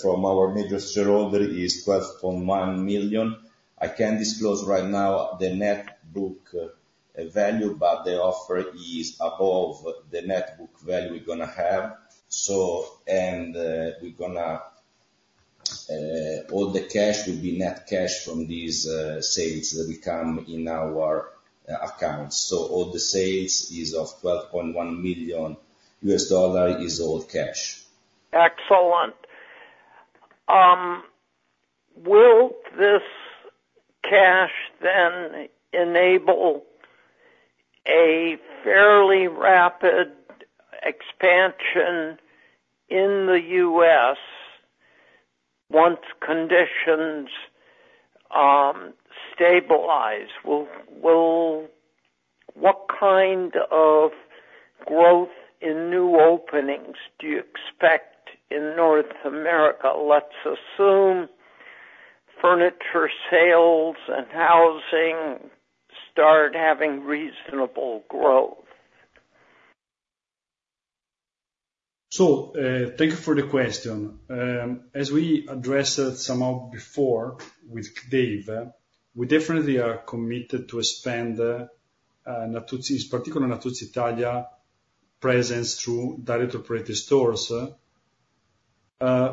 from our major shareholder is $12.1 million. I can't disclose right now the net book value, but the offer is above the net book value we're gonna have. So, and, we're gonna, all the cash will be net cash from these sales that will come in our accounts. So all the sales is of $12.1 million, is all cash. Excellent. Will this cash then enable a fairly rapid expansion in the U.S., once conditions stabilize? What kind of growth in new openings do you expect in North America? Let's assume furniture sales and housing start having reasonable growth. So, thank you for the question. As we addressed it somehow before with Dave, we definitely are committed to expand Natuzzi, in particular, Natuzzi Italia, presence through direct operating stores.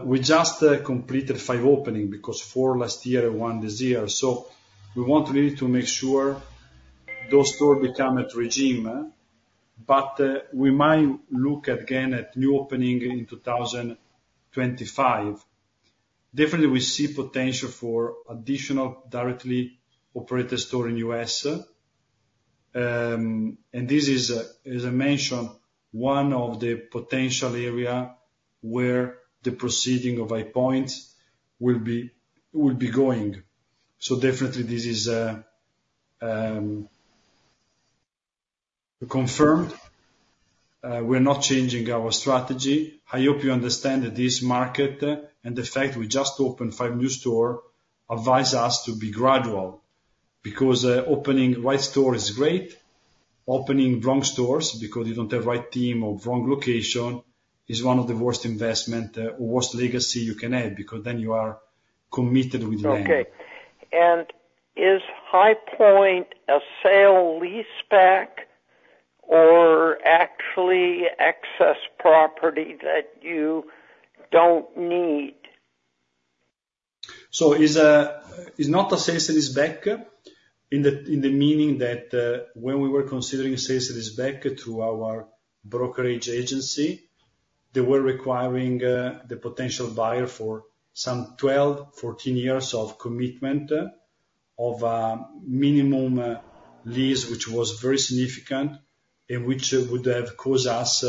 We just completed five opening, because four last year and one this year. So we want really to make sure those store become at regime, but we might look again at new opening in 2025. Definitely, we see potential for additional directly operated store in U.S. And this is, as I mentioned, one of the potential area where the proceeds of High Point will be going. So definitely this is confirmed. We're not changing our strategy. I hope you understand that this market, and the fact we just opened five new store, advise us to be gradual. Because opening right store is great, opening wrong stores because you don't have right team or wrong location is one of the worst investment, worst legacy you can have, because then you are committed with them. Okay. And is High Point a sale-leaseback or actually excess property that you don't need? So it's not a sale-leaseback, in the meaning that, when we were considering a sale-leaseback to our brokerage agency, they were requiring the potential buyer for some 12-14 years of commitment, of minimum lease, which was very significant, and which would have caused us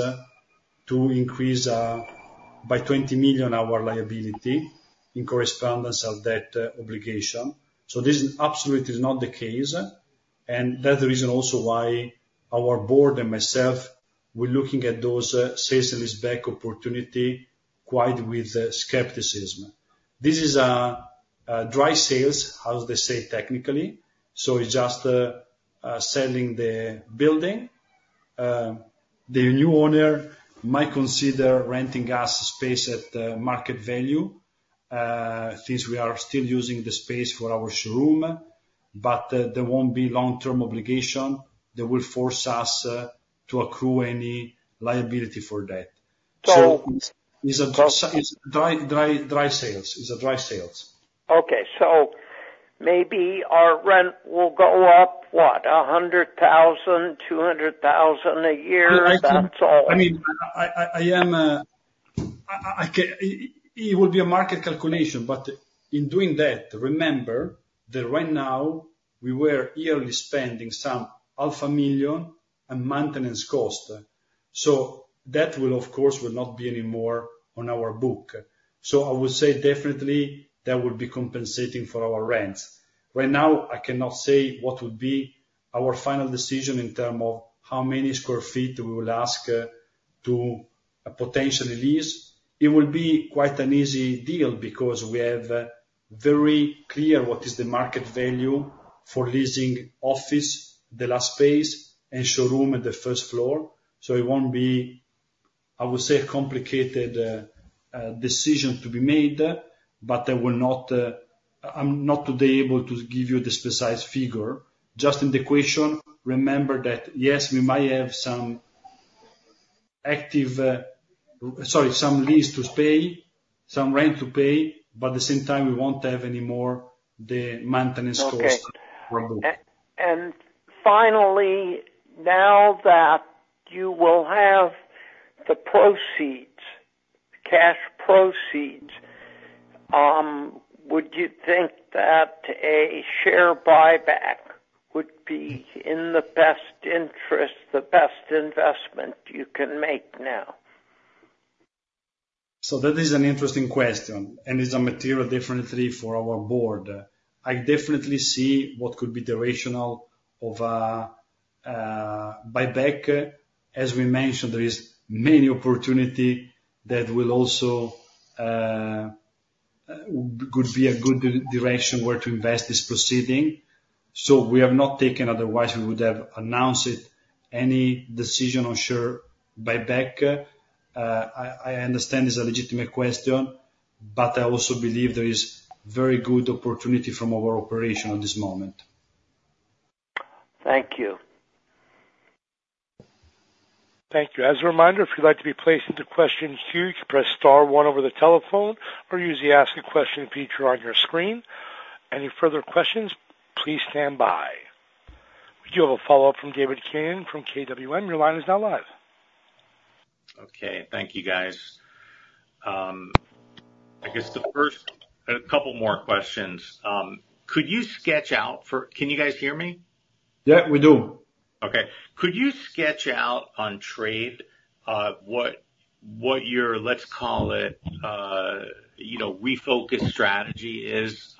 to increase by $20 million our liability in correspondence of that obligation. So this absolutely is not the case, and that's the reason also why our board and myself, we're looking at those sale-leaseback opportunities quite with skepticism. This is a dry sale, as they say, technically, so it's just selling the building. The new owner might consider renting us space at market value, since we are still using the space for our showroom, but there won't be long-term obligation that will force us to accrue any liability for that. So- It's a dry, dry, dry sale. It's a dry sale. Okay, so maybe our rent will go up, what? A hundred thousand, two hundred thousand a year? That's all. I mean, it would be a market calculation, but in doing that, remember that right now, we were yearly spending some $500,000 on maintenance cost. So that will, of course, not be any more on our book. So I would say definitely that would be compensating for our rent. Right now, I cannot say what would be our final decision in terms of how many sq ft we will ask to potentially lease. It will be quite an easy deal because we have very clear what is the market value for leasing office, the leased space, and showroom at the first floor. So it won't be, I would say, a complicated decision to be made, but I will not... I'm not today able to give you the precise figure. Just in the equation, remember that, yes, we might have some active, some lease to pay, some rent to pay, but at the same time, we won't have any more the maintenance costs. Okay. And finally, now that you will have the proceeds, cash proceeds, would you think that a share buyback would be in the best interest, the best investment you can make now? That is an interesting question, and it's a material difference for our board. I definitely see what could be the rationale for a buyback. As we mentioned, there are many opportunities that could also be a good direction where to invest these proceeds. We have not taken any decision on share buyback; otherwise, we would have announced it. I understand it's a legitimate question, but I also believe there are very good opportunities from our operations at this moment. Thank you. Thank you. As a reminder, if you'd like to be placed into question queue, you can press star one over the telephone or use the Ask a Question feature on your screen. Any further questions, please stand by. You have a follow-up from David Kanen from KWM. Your line is now live. Okay, thank you, guys. I guess the first... A couple more questions. Could you sketch out for... Can you guys hear me? Yeah, we do. Okay. Could you sketch out on trade, what your, let's call it, you know, refocus strategy is?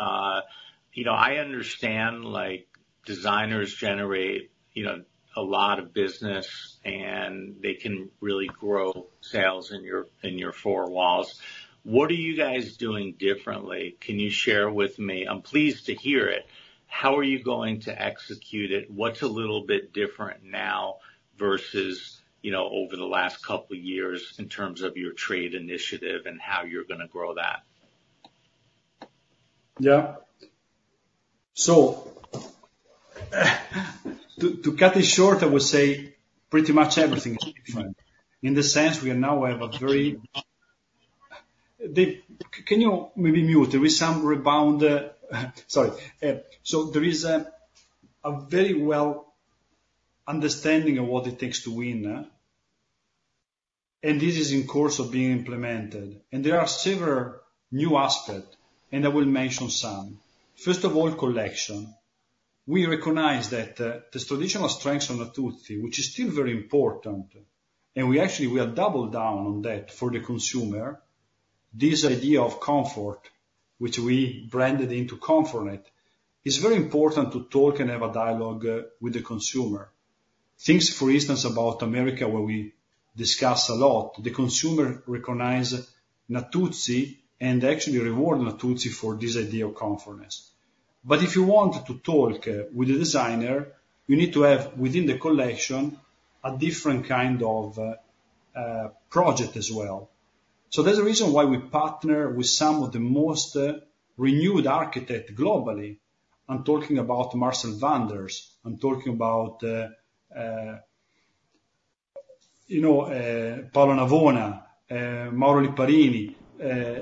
You know, I understand, like, designers generate, you know, a lot of business, and they can really grow sales in your four walls. What are you guys doing differently? Can you share with me? I'm pleased to hear it. How are you going to execute it? What's a little bit different now versus, you know, over the last couple of years in terms of your trade initiative and how you're gonna grow that? Yeah. So, to cut it short, I would say pretty much everything is different. In the sense, we are now have a very... Dave, can you maybe mute? There is some rebound, sorry. So there is a very well understanding of what it takes to win. And this is in course of being implemented, and there are several new aspect, and I will mention some. First of all, collection. We recognize that, this traditional strength on Natuzzi, which is still very important, and we actually, we have doubled down on that for the consumer. This idea of comfort, which we branded into comfort, it is very important to talk and have a dialogue, with the consumer. Things, for instance, about America, where we discuss a lot, the consumer recognize Natuzzi and actually reward Natuzzi for this idea of comfortness. But if you want to talk with the designer, you need to have, within the collection, a different kind of project as well. So there's a reason why we partner with some of the most renowned architects globally. I'm talking about Marcel Wanders, I'm talking about, you know, Paola Navone, Mauro Lipparini.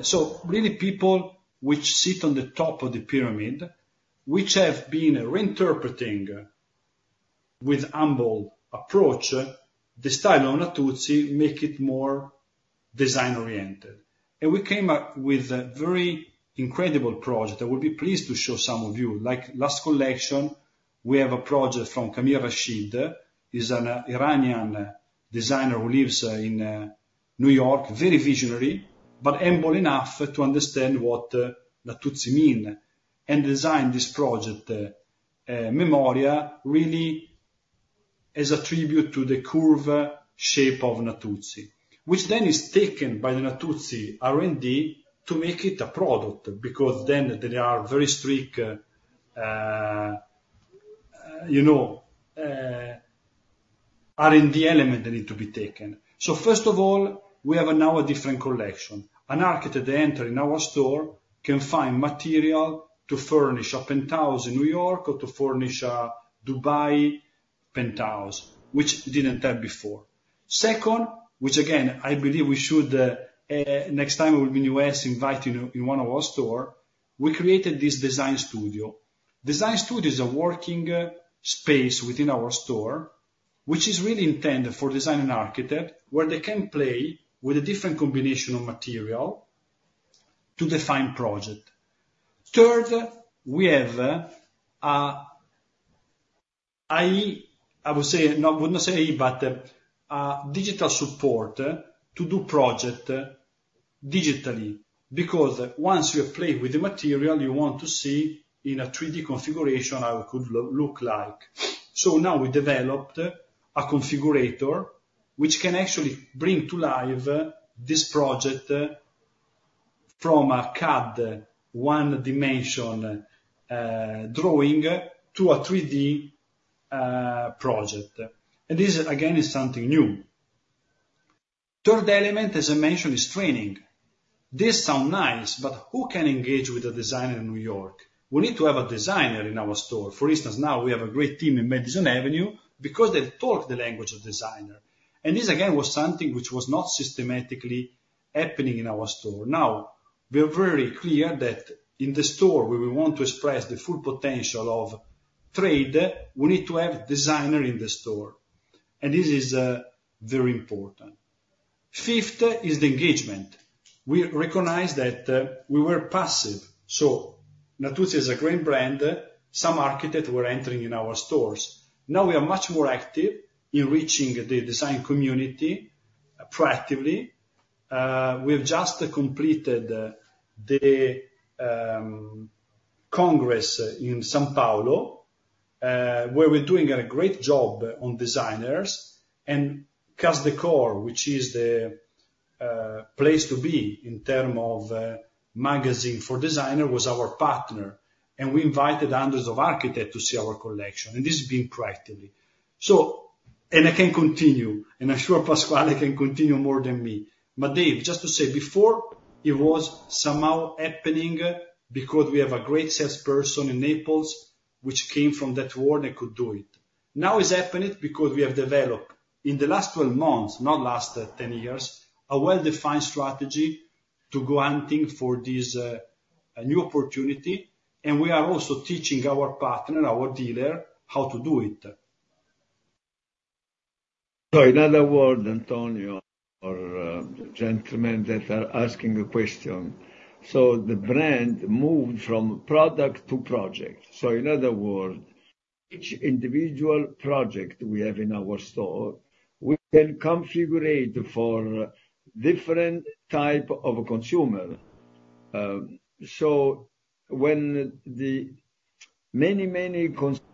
So really people which sit on the top of the pyramid, which have been reinterpreting, with humble approach, the style of Natuzzi, make it more design-oriented. And we came up with a very incredible project. I will be pleased to show some of you. Like, last collection, we have a project from Karim Rashid, he's an Iranian designer who lives in New York. Very visionary, but humble enough to understand what, Natuzzi mean, and design this project, Memoria, really as a tribute to the curve shape of Natuzzi, which then is taken by the Natuzzi R&D to make it a product, because then there are very strict, you know, R&D element that need to be taken. So first of all, we have now a different collection. An architect, they enter in our store, can find material to furnish a penthouse in New York or to furnish a Dubai penthouse, which didn't have before. Second, which again, I believe we should, next time you will be in U.S., invite you in one of our store. We created this design studio. Design studio is a working space within our store, which is really intended for designers and architects, where they can play with a different combination of materials to define projects. Third, we have a digital support to do projects digitally, because once you have played with the materials, you want to see in a 3D configuration how it could look like. So now we developed a configurator, which can actually bring to life this project from a CAD one dimension drawing to a 3D project. And this, again, is something new. Third element, as I mentioned, is training. This sounds nice, but who can engage with a designer in New York? We need to have a designer in our store. For instance, now we have a great team in Madison Avenue because they talk the language of designer. And this, again, was something which was not systematically happening in our store. Now, we are very clear that in the store, where we want to express the full potential of trade, we need to have designer in the store, and this is very important. Fifth, is the engagement. We recognize that we were passive, so Natuzzi is a great brand, some architects were entering in our stores. Now we are much more active in reaching the design community proactively. We've just completed the congress in São Paulo, where we're doing a great job on designers and Casa Decor, which is the place to be in terms of magazine for designers, was our partner, and we invited hundreds of architects to see our collection, and this is being proactively. And I can continue, and I'm sure Pasquale can continue more than me. But Dave, just to say, before, it was somehow happening because we have a great salesperson in Naples, which came from that world and could do it. Now, it's happening because we have developed, in the last twelve months, not last ten years, a well-defined strategy to go hunting for this, a new opportunity, and we are also teaching our partners, our dealers, how to do it. So in other words, Antonio, or gentlemen that are asking a question. So the brand moved from product to project. So in other words, each individual project we have in our store, we can configure for different type of consumer. So when the many, many consumer,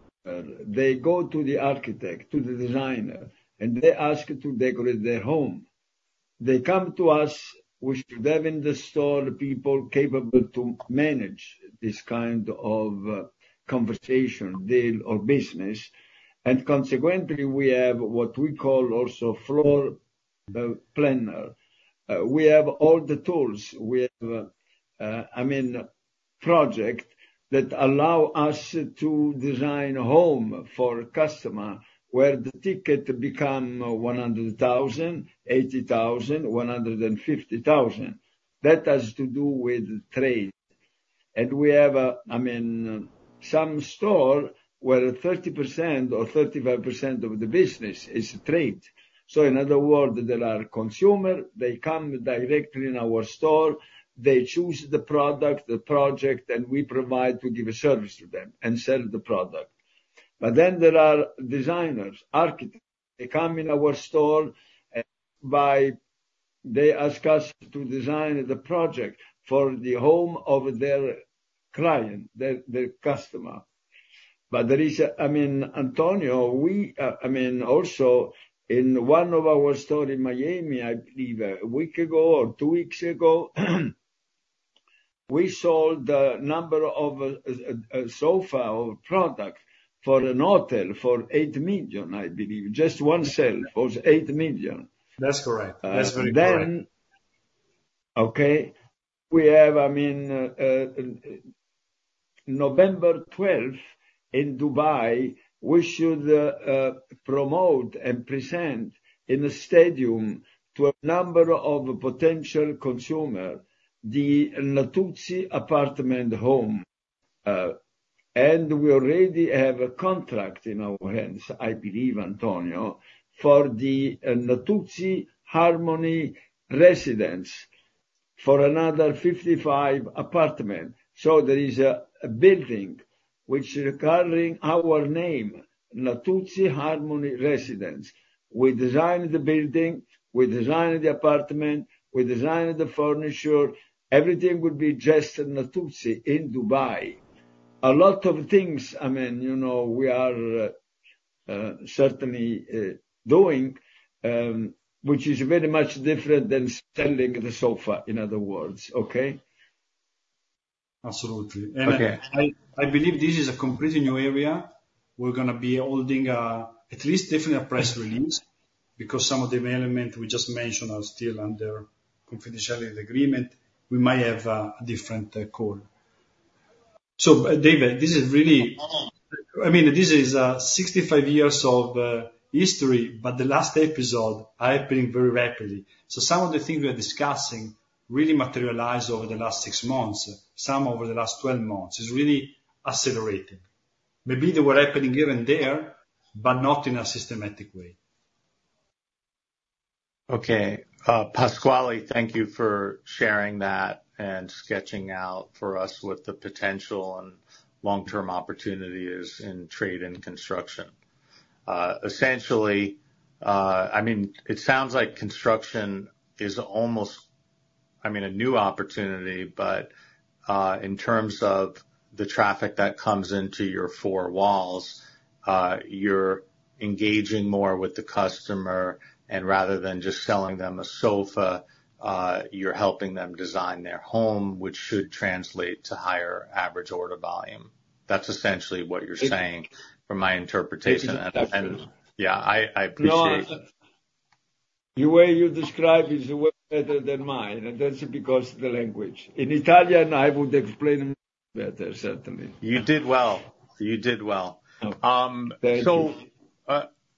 they go to the architect, to the designer, and they ask to decorate their home, they come to us, we should have in the store people capable to manage this kind of conversation, deal, or business, and consequently, we have what we call also floor planner. We have all the tools, we have, I mean, project that allow us to design a home for customer, where the ticket become one hundred thousand, eighty thousand, one hundred and fifty thousand. That has to do with trade. We have, I mean, some store where 30% or 35% of the business is trade. So in other words, there are consumer, they come directly in our store, they choose the product, the project, and we provide to give a service to them and sell the product. But then there are designers, architects, they come in our store, and they ask us to design the project for the home of their client, their customer. I mean, Antonio, we, I mean, also in one of our store in Miami, I believe a week ago or two weeks ago, we sold a number of a sofa or product for a hotel for $8 million, I believe. Just one sale was $8 million. That's correct. That's very correct. Okay, we have, I mean, November twelfth in Dubai, we should promote and present in a stadium to a number of potential consumer the Natuzzi apartment home. And we already have a contract in our hands, I believe, Antonio, for the Natuzzi Harmony Residence for another 55 apartment. There is a building which is carrying our name, Natuzzi Harmony Residence. We designed the building, we designed the apartment, we designed the furniture. Everything will be just Natuzzi in Dubai. A lot of things, I mean, you know, we are certainly doing which is very much different than selling the sofa, in other words, okay? Absolutely. Okay. And I believe this is a completely new area. We're gonna be holding a, at least definitely a press release, because some of the elements we just mentioned are still under confidentiality agreement. We might have a different call. So, David, this is really- Uh-huh. I mean, this is sixty-five years of history, but the last episode happening very rapidly. So some of the things we are discussing really materialized over the last six months, some over the last twelve months. It's really accelerating. Maybe they were happening here and there, but not in a systematic way. Okay. Pasquale, thank you for sharing that and sketching out for us what the potential and long-term opportunity is in trade and construction. Essentially, I mean, it sounds like construction is almost, I mean, a new opportunity, but in terms of the traffic that comes into your four walls, you're engaging more with the customer, and rather than just selling them a sofa, you're helping them design their home, which should translate to higher average order volume. That's essentially what you're saying, from my interpretation. That's true. Yeah, I appreciate- No, the way you describe is way better than mine, and that's because the language. In Italian, I would explain better, certainly. You did well. You did well. Thank you.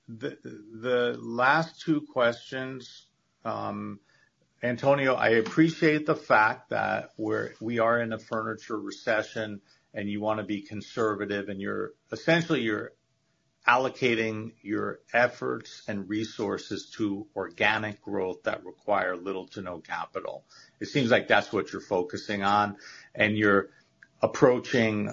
So, the last two questions, Antonio, I appreciate the fact that we are in a furniture recession, and you wanna be conservative, and you're... Essentially, you're allocating your efforts and resources to organic growth that require little to no capital. It seems like that's what you're focusing on, and you're approaching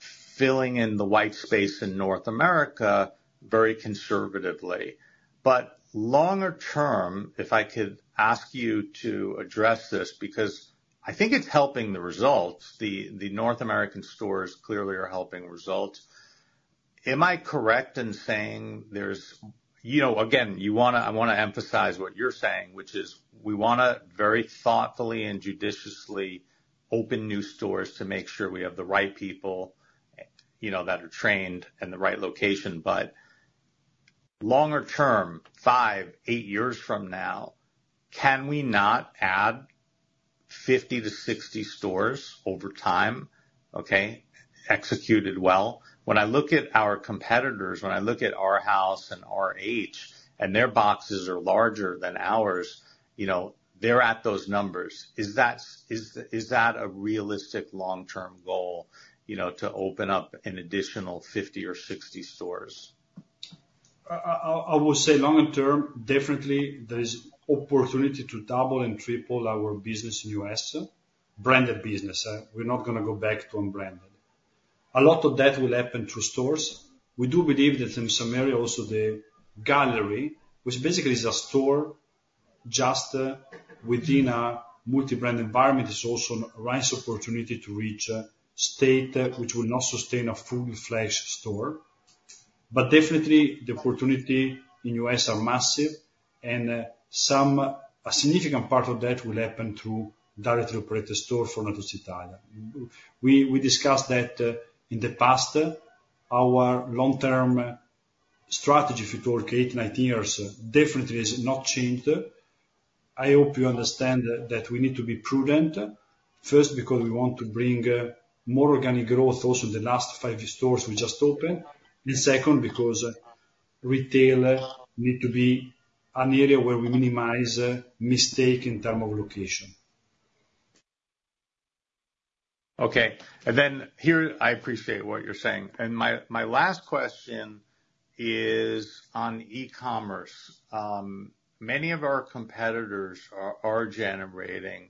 filling in the white space in North America very conservatively. But longer term, if I could ask you to address this, because I think it's helping the results. The North American stores clearly are helping results. Am I correct in saying there's, you know, again, I wanna emphasize what you're saying, which is, we wanna very thoughtfully and judiciously open new stores to make sure we have the right people, you know, that are trained in the right location. But longer term, five, eight years from now, can we not add fifty to sixty stores over time, okay? Executed well. When I look at our competitors, when I look at our house and our age, and their boxes are larger than ours, you know, they're at those numbers. Is that a realistic long-term goal, you know, to open up an additional fifty or sixty stores? I will say longer term, definitely, there is opportunity to double and triple our business in U.S., branded business. We're not gonna go back to unbranded. A lot of that will happen through stores. We do believe that in some area also, the gallery, which basically is a store just within a multi-brand environment, is also a nice opportunity to reach a state which will not sustain a fully-fledged store. But definitely, the opportunity in U.S. are massive, and some, a significant part of that will happen through directly operated store for Natuzzi Italia. We discussed that in the past, our long-term strategy, if you talk eight, nineteen years, definitely has not changed. I hope you understand that we need to be prudent, first, because we want to bring more organic growth also, the last five stores we just opened. And second, because retail need to be an area where we minimize mistake in term of location. Okay, and then here, I appreciate what you're saying, and my last question is on e-commerce. Many of our competitors are generating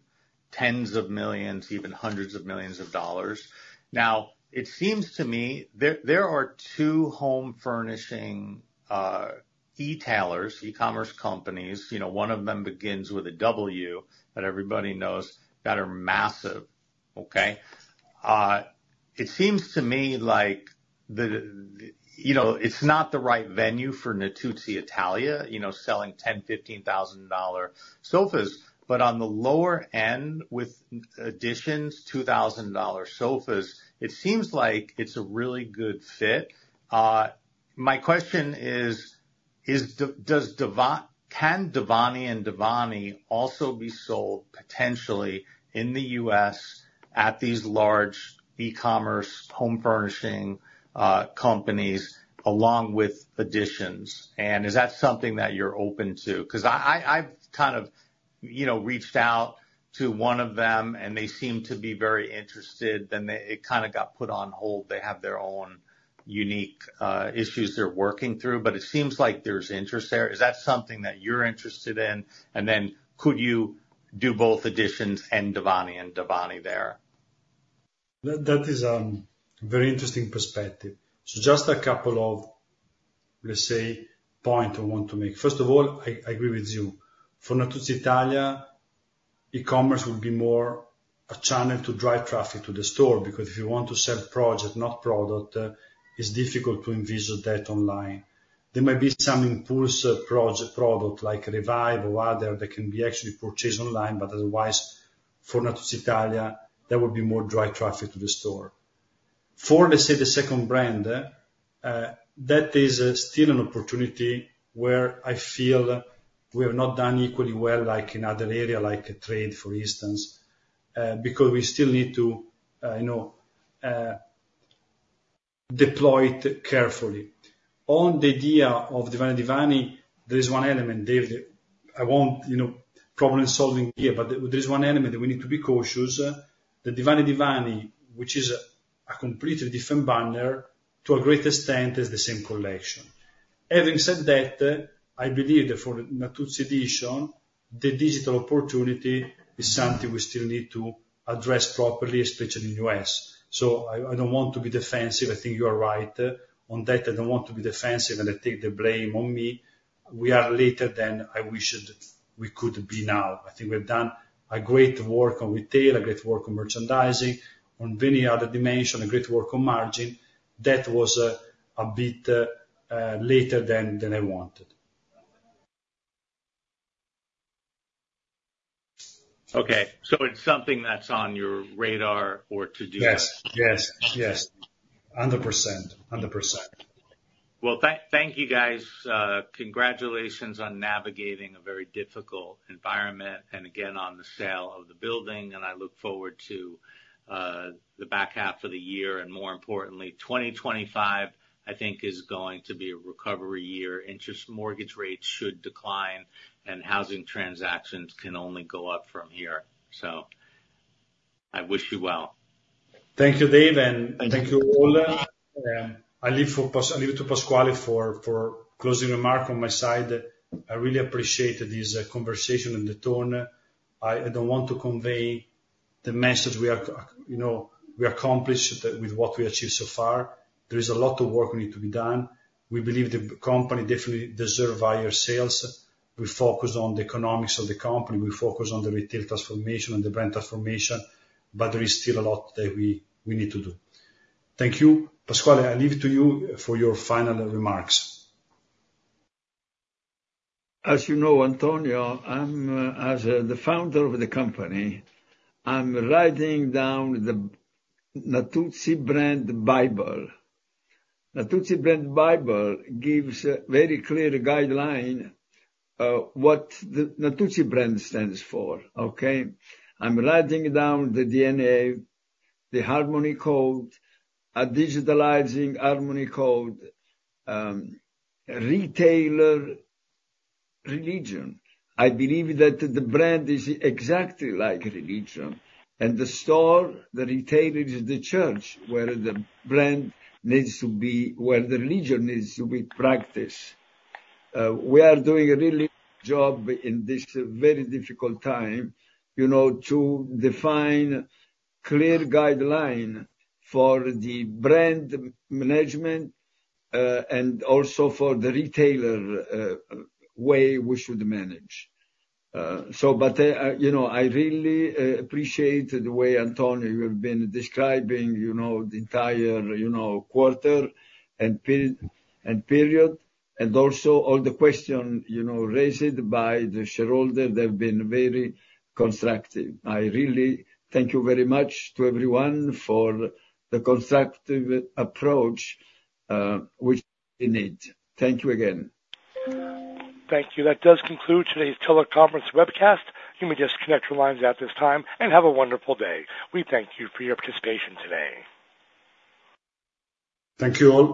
tens of millions, even hundreds of millions of dollars. Now, it seems to me there are two home furnishing e-tailers, e-commerce companies, you know, one of them begins with a W, that everybody knows, that are massive, okay? It seems to me like the, you know, it's not the right venue for Natuzzi Italia, you know, selling $10,000-$15,000 sofas, but on the lower end, with Editions, $2,000 sofas, it seems like it's a really good fit. My question is, can Divani & Divani also be sold potentially in the US at these large e-commerce home furnishing companies, along with Editions, and is that something that you're open to? 'Cause I've kind of, you know, reached out to one of them, and they seem to be very interested, then it kind of got put on hold. They have their own unique issues they're working through, but it seems like there's interest there. Is that something that you're interested in? And then could you do both editions and Divani & Divani there? That is very interesting perspective. So just a couple of, let's say, point I want to make. First of all, I agree with you. For Natuzzi Italia, e-commerce will be more a channel to drive traffic to the store, because if you want to sell project, not product, it's difficult to envisage that online. There might be some impulse project product, like Re-vive or other, that can be actually purchased online, but otherwise, for Natuzzi Italia, that would be more drive traffic to the store. For, let's say, the second brand, that is still an opportunity where I feel we have not done equally well, like in other area, like trade, for instance, because we still need to, you know, deploy it carefully. On the idea of Divani & Divani, there is one element, Dave, that I won't, you know, problem-solving here, but there is one element that we need to be cautious. The Divani & Divani, which is a completely different banner, to a great extent, is the same collection. Having said that, I believe that for Natuzzi Editions, the digital opportunity is something we still need to address properly, especially in U.S. So I don't want to be defensive. I think you are right on that. I don't want to be defensive, and I take the blame on me. We are later than I wished we could be now. I think we've done a great work on retail, a great work on merchandising, on many other dimension, a great work on margin. That was a bit later than I wanted. Okay, so it's something that's on your radar for to-do list? Yes. Yes, yes. 100%, 100%. Thank you, guys. Congratulations on navigating a very difficult environment, and again, on the sale of the building, and I look forward to the back half of the year, and more importantly, 2025, I think, is going to be a recovery year. Interest mortgage rates should decline, and housing transactions can only go up from here. So I wish you well. Thank you, Dave, and thank you all. I leave to Pasquale for closing remark on my side. I really appreciate this conversation and the tone. I don't want to convey the message we are accomplished with what we achieved so far. There is a lot of work need to be done. We believe the company definitely deserve higher sales. We focus on the economics of the company, we focus on the retail transformation and the brand transformation, but there is still a lot that we need to do. Thank you. Pasquale, I leave to you for your final remarks. As you know, Antonio, I'm, as the founder of the company, I'm writing down the Natuzzi brand Bible. Natuzzi brand Bible gives a very clear guideline what the Natuzzi brand stands for, okay? I'm writing down the DNA, the harmony code, a digitalizing harmony code, retailer, religion. I believe that the brand is exactly like religion, and the store, the retailer, is the church, where the brand needs to be where the religion needs to be practiced. We are doing a really job in this very difficult time, you know, to define clear guideline for the brand management, and also for the retailer way we should manage. You know, I really appreciate the way, Antonio, you have been describing, you know, the entire, you know, quarter and period, and also all the question, you know, raised by the shareholder. They've been very constructive. I really thank you very much to everyone for the constructive approach, which we need. Thank you again. Thank you. That does conclude today's teleconference webcast. You may disconnect your lines at this time, and have a wonderful day. We thank you for your participation today. Thank you all.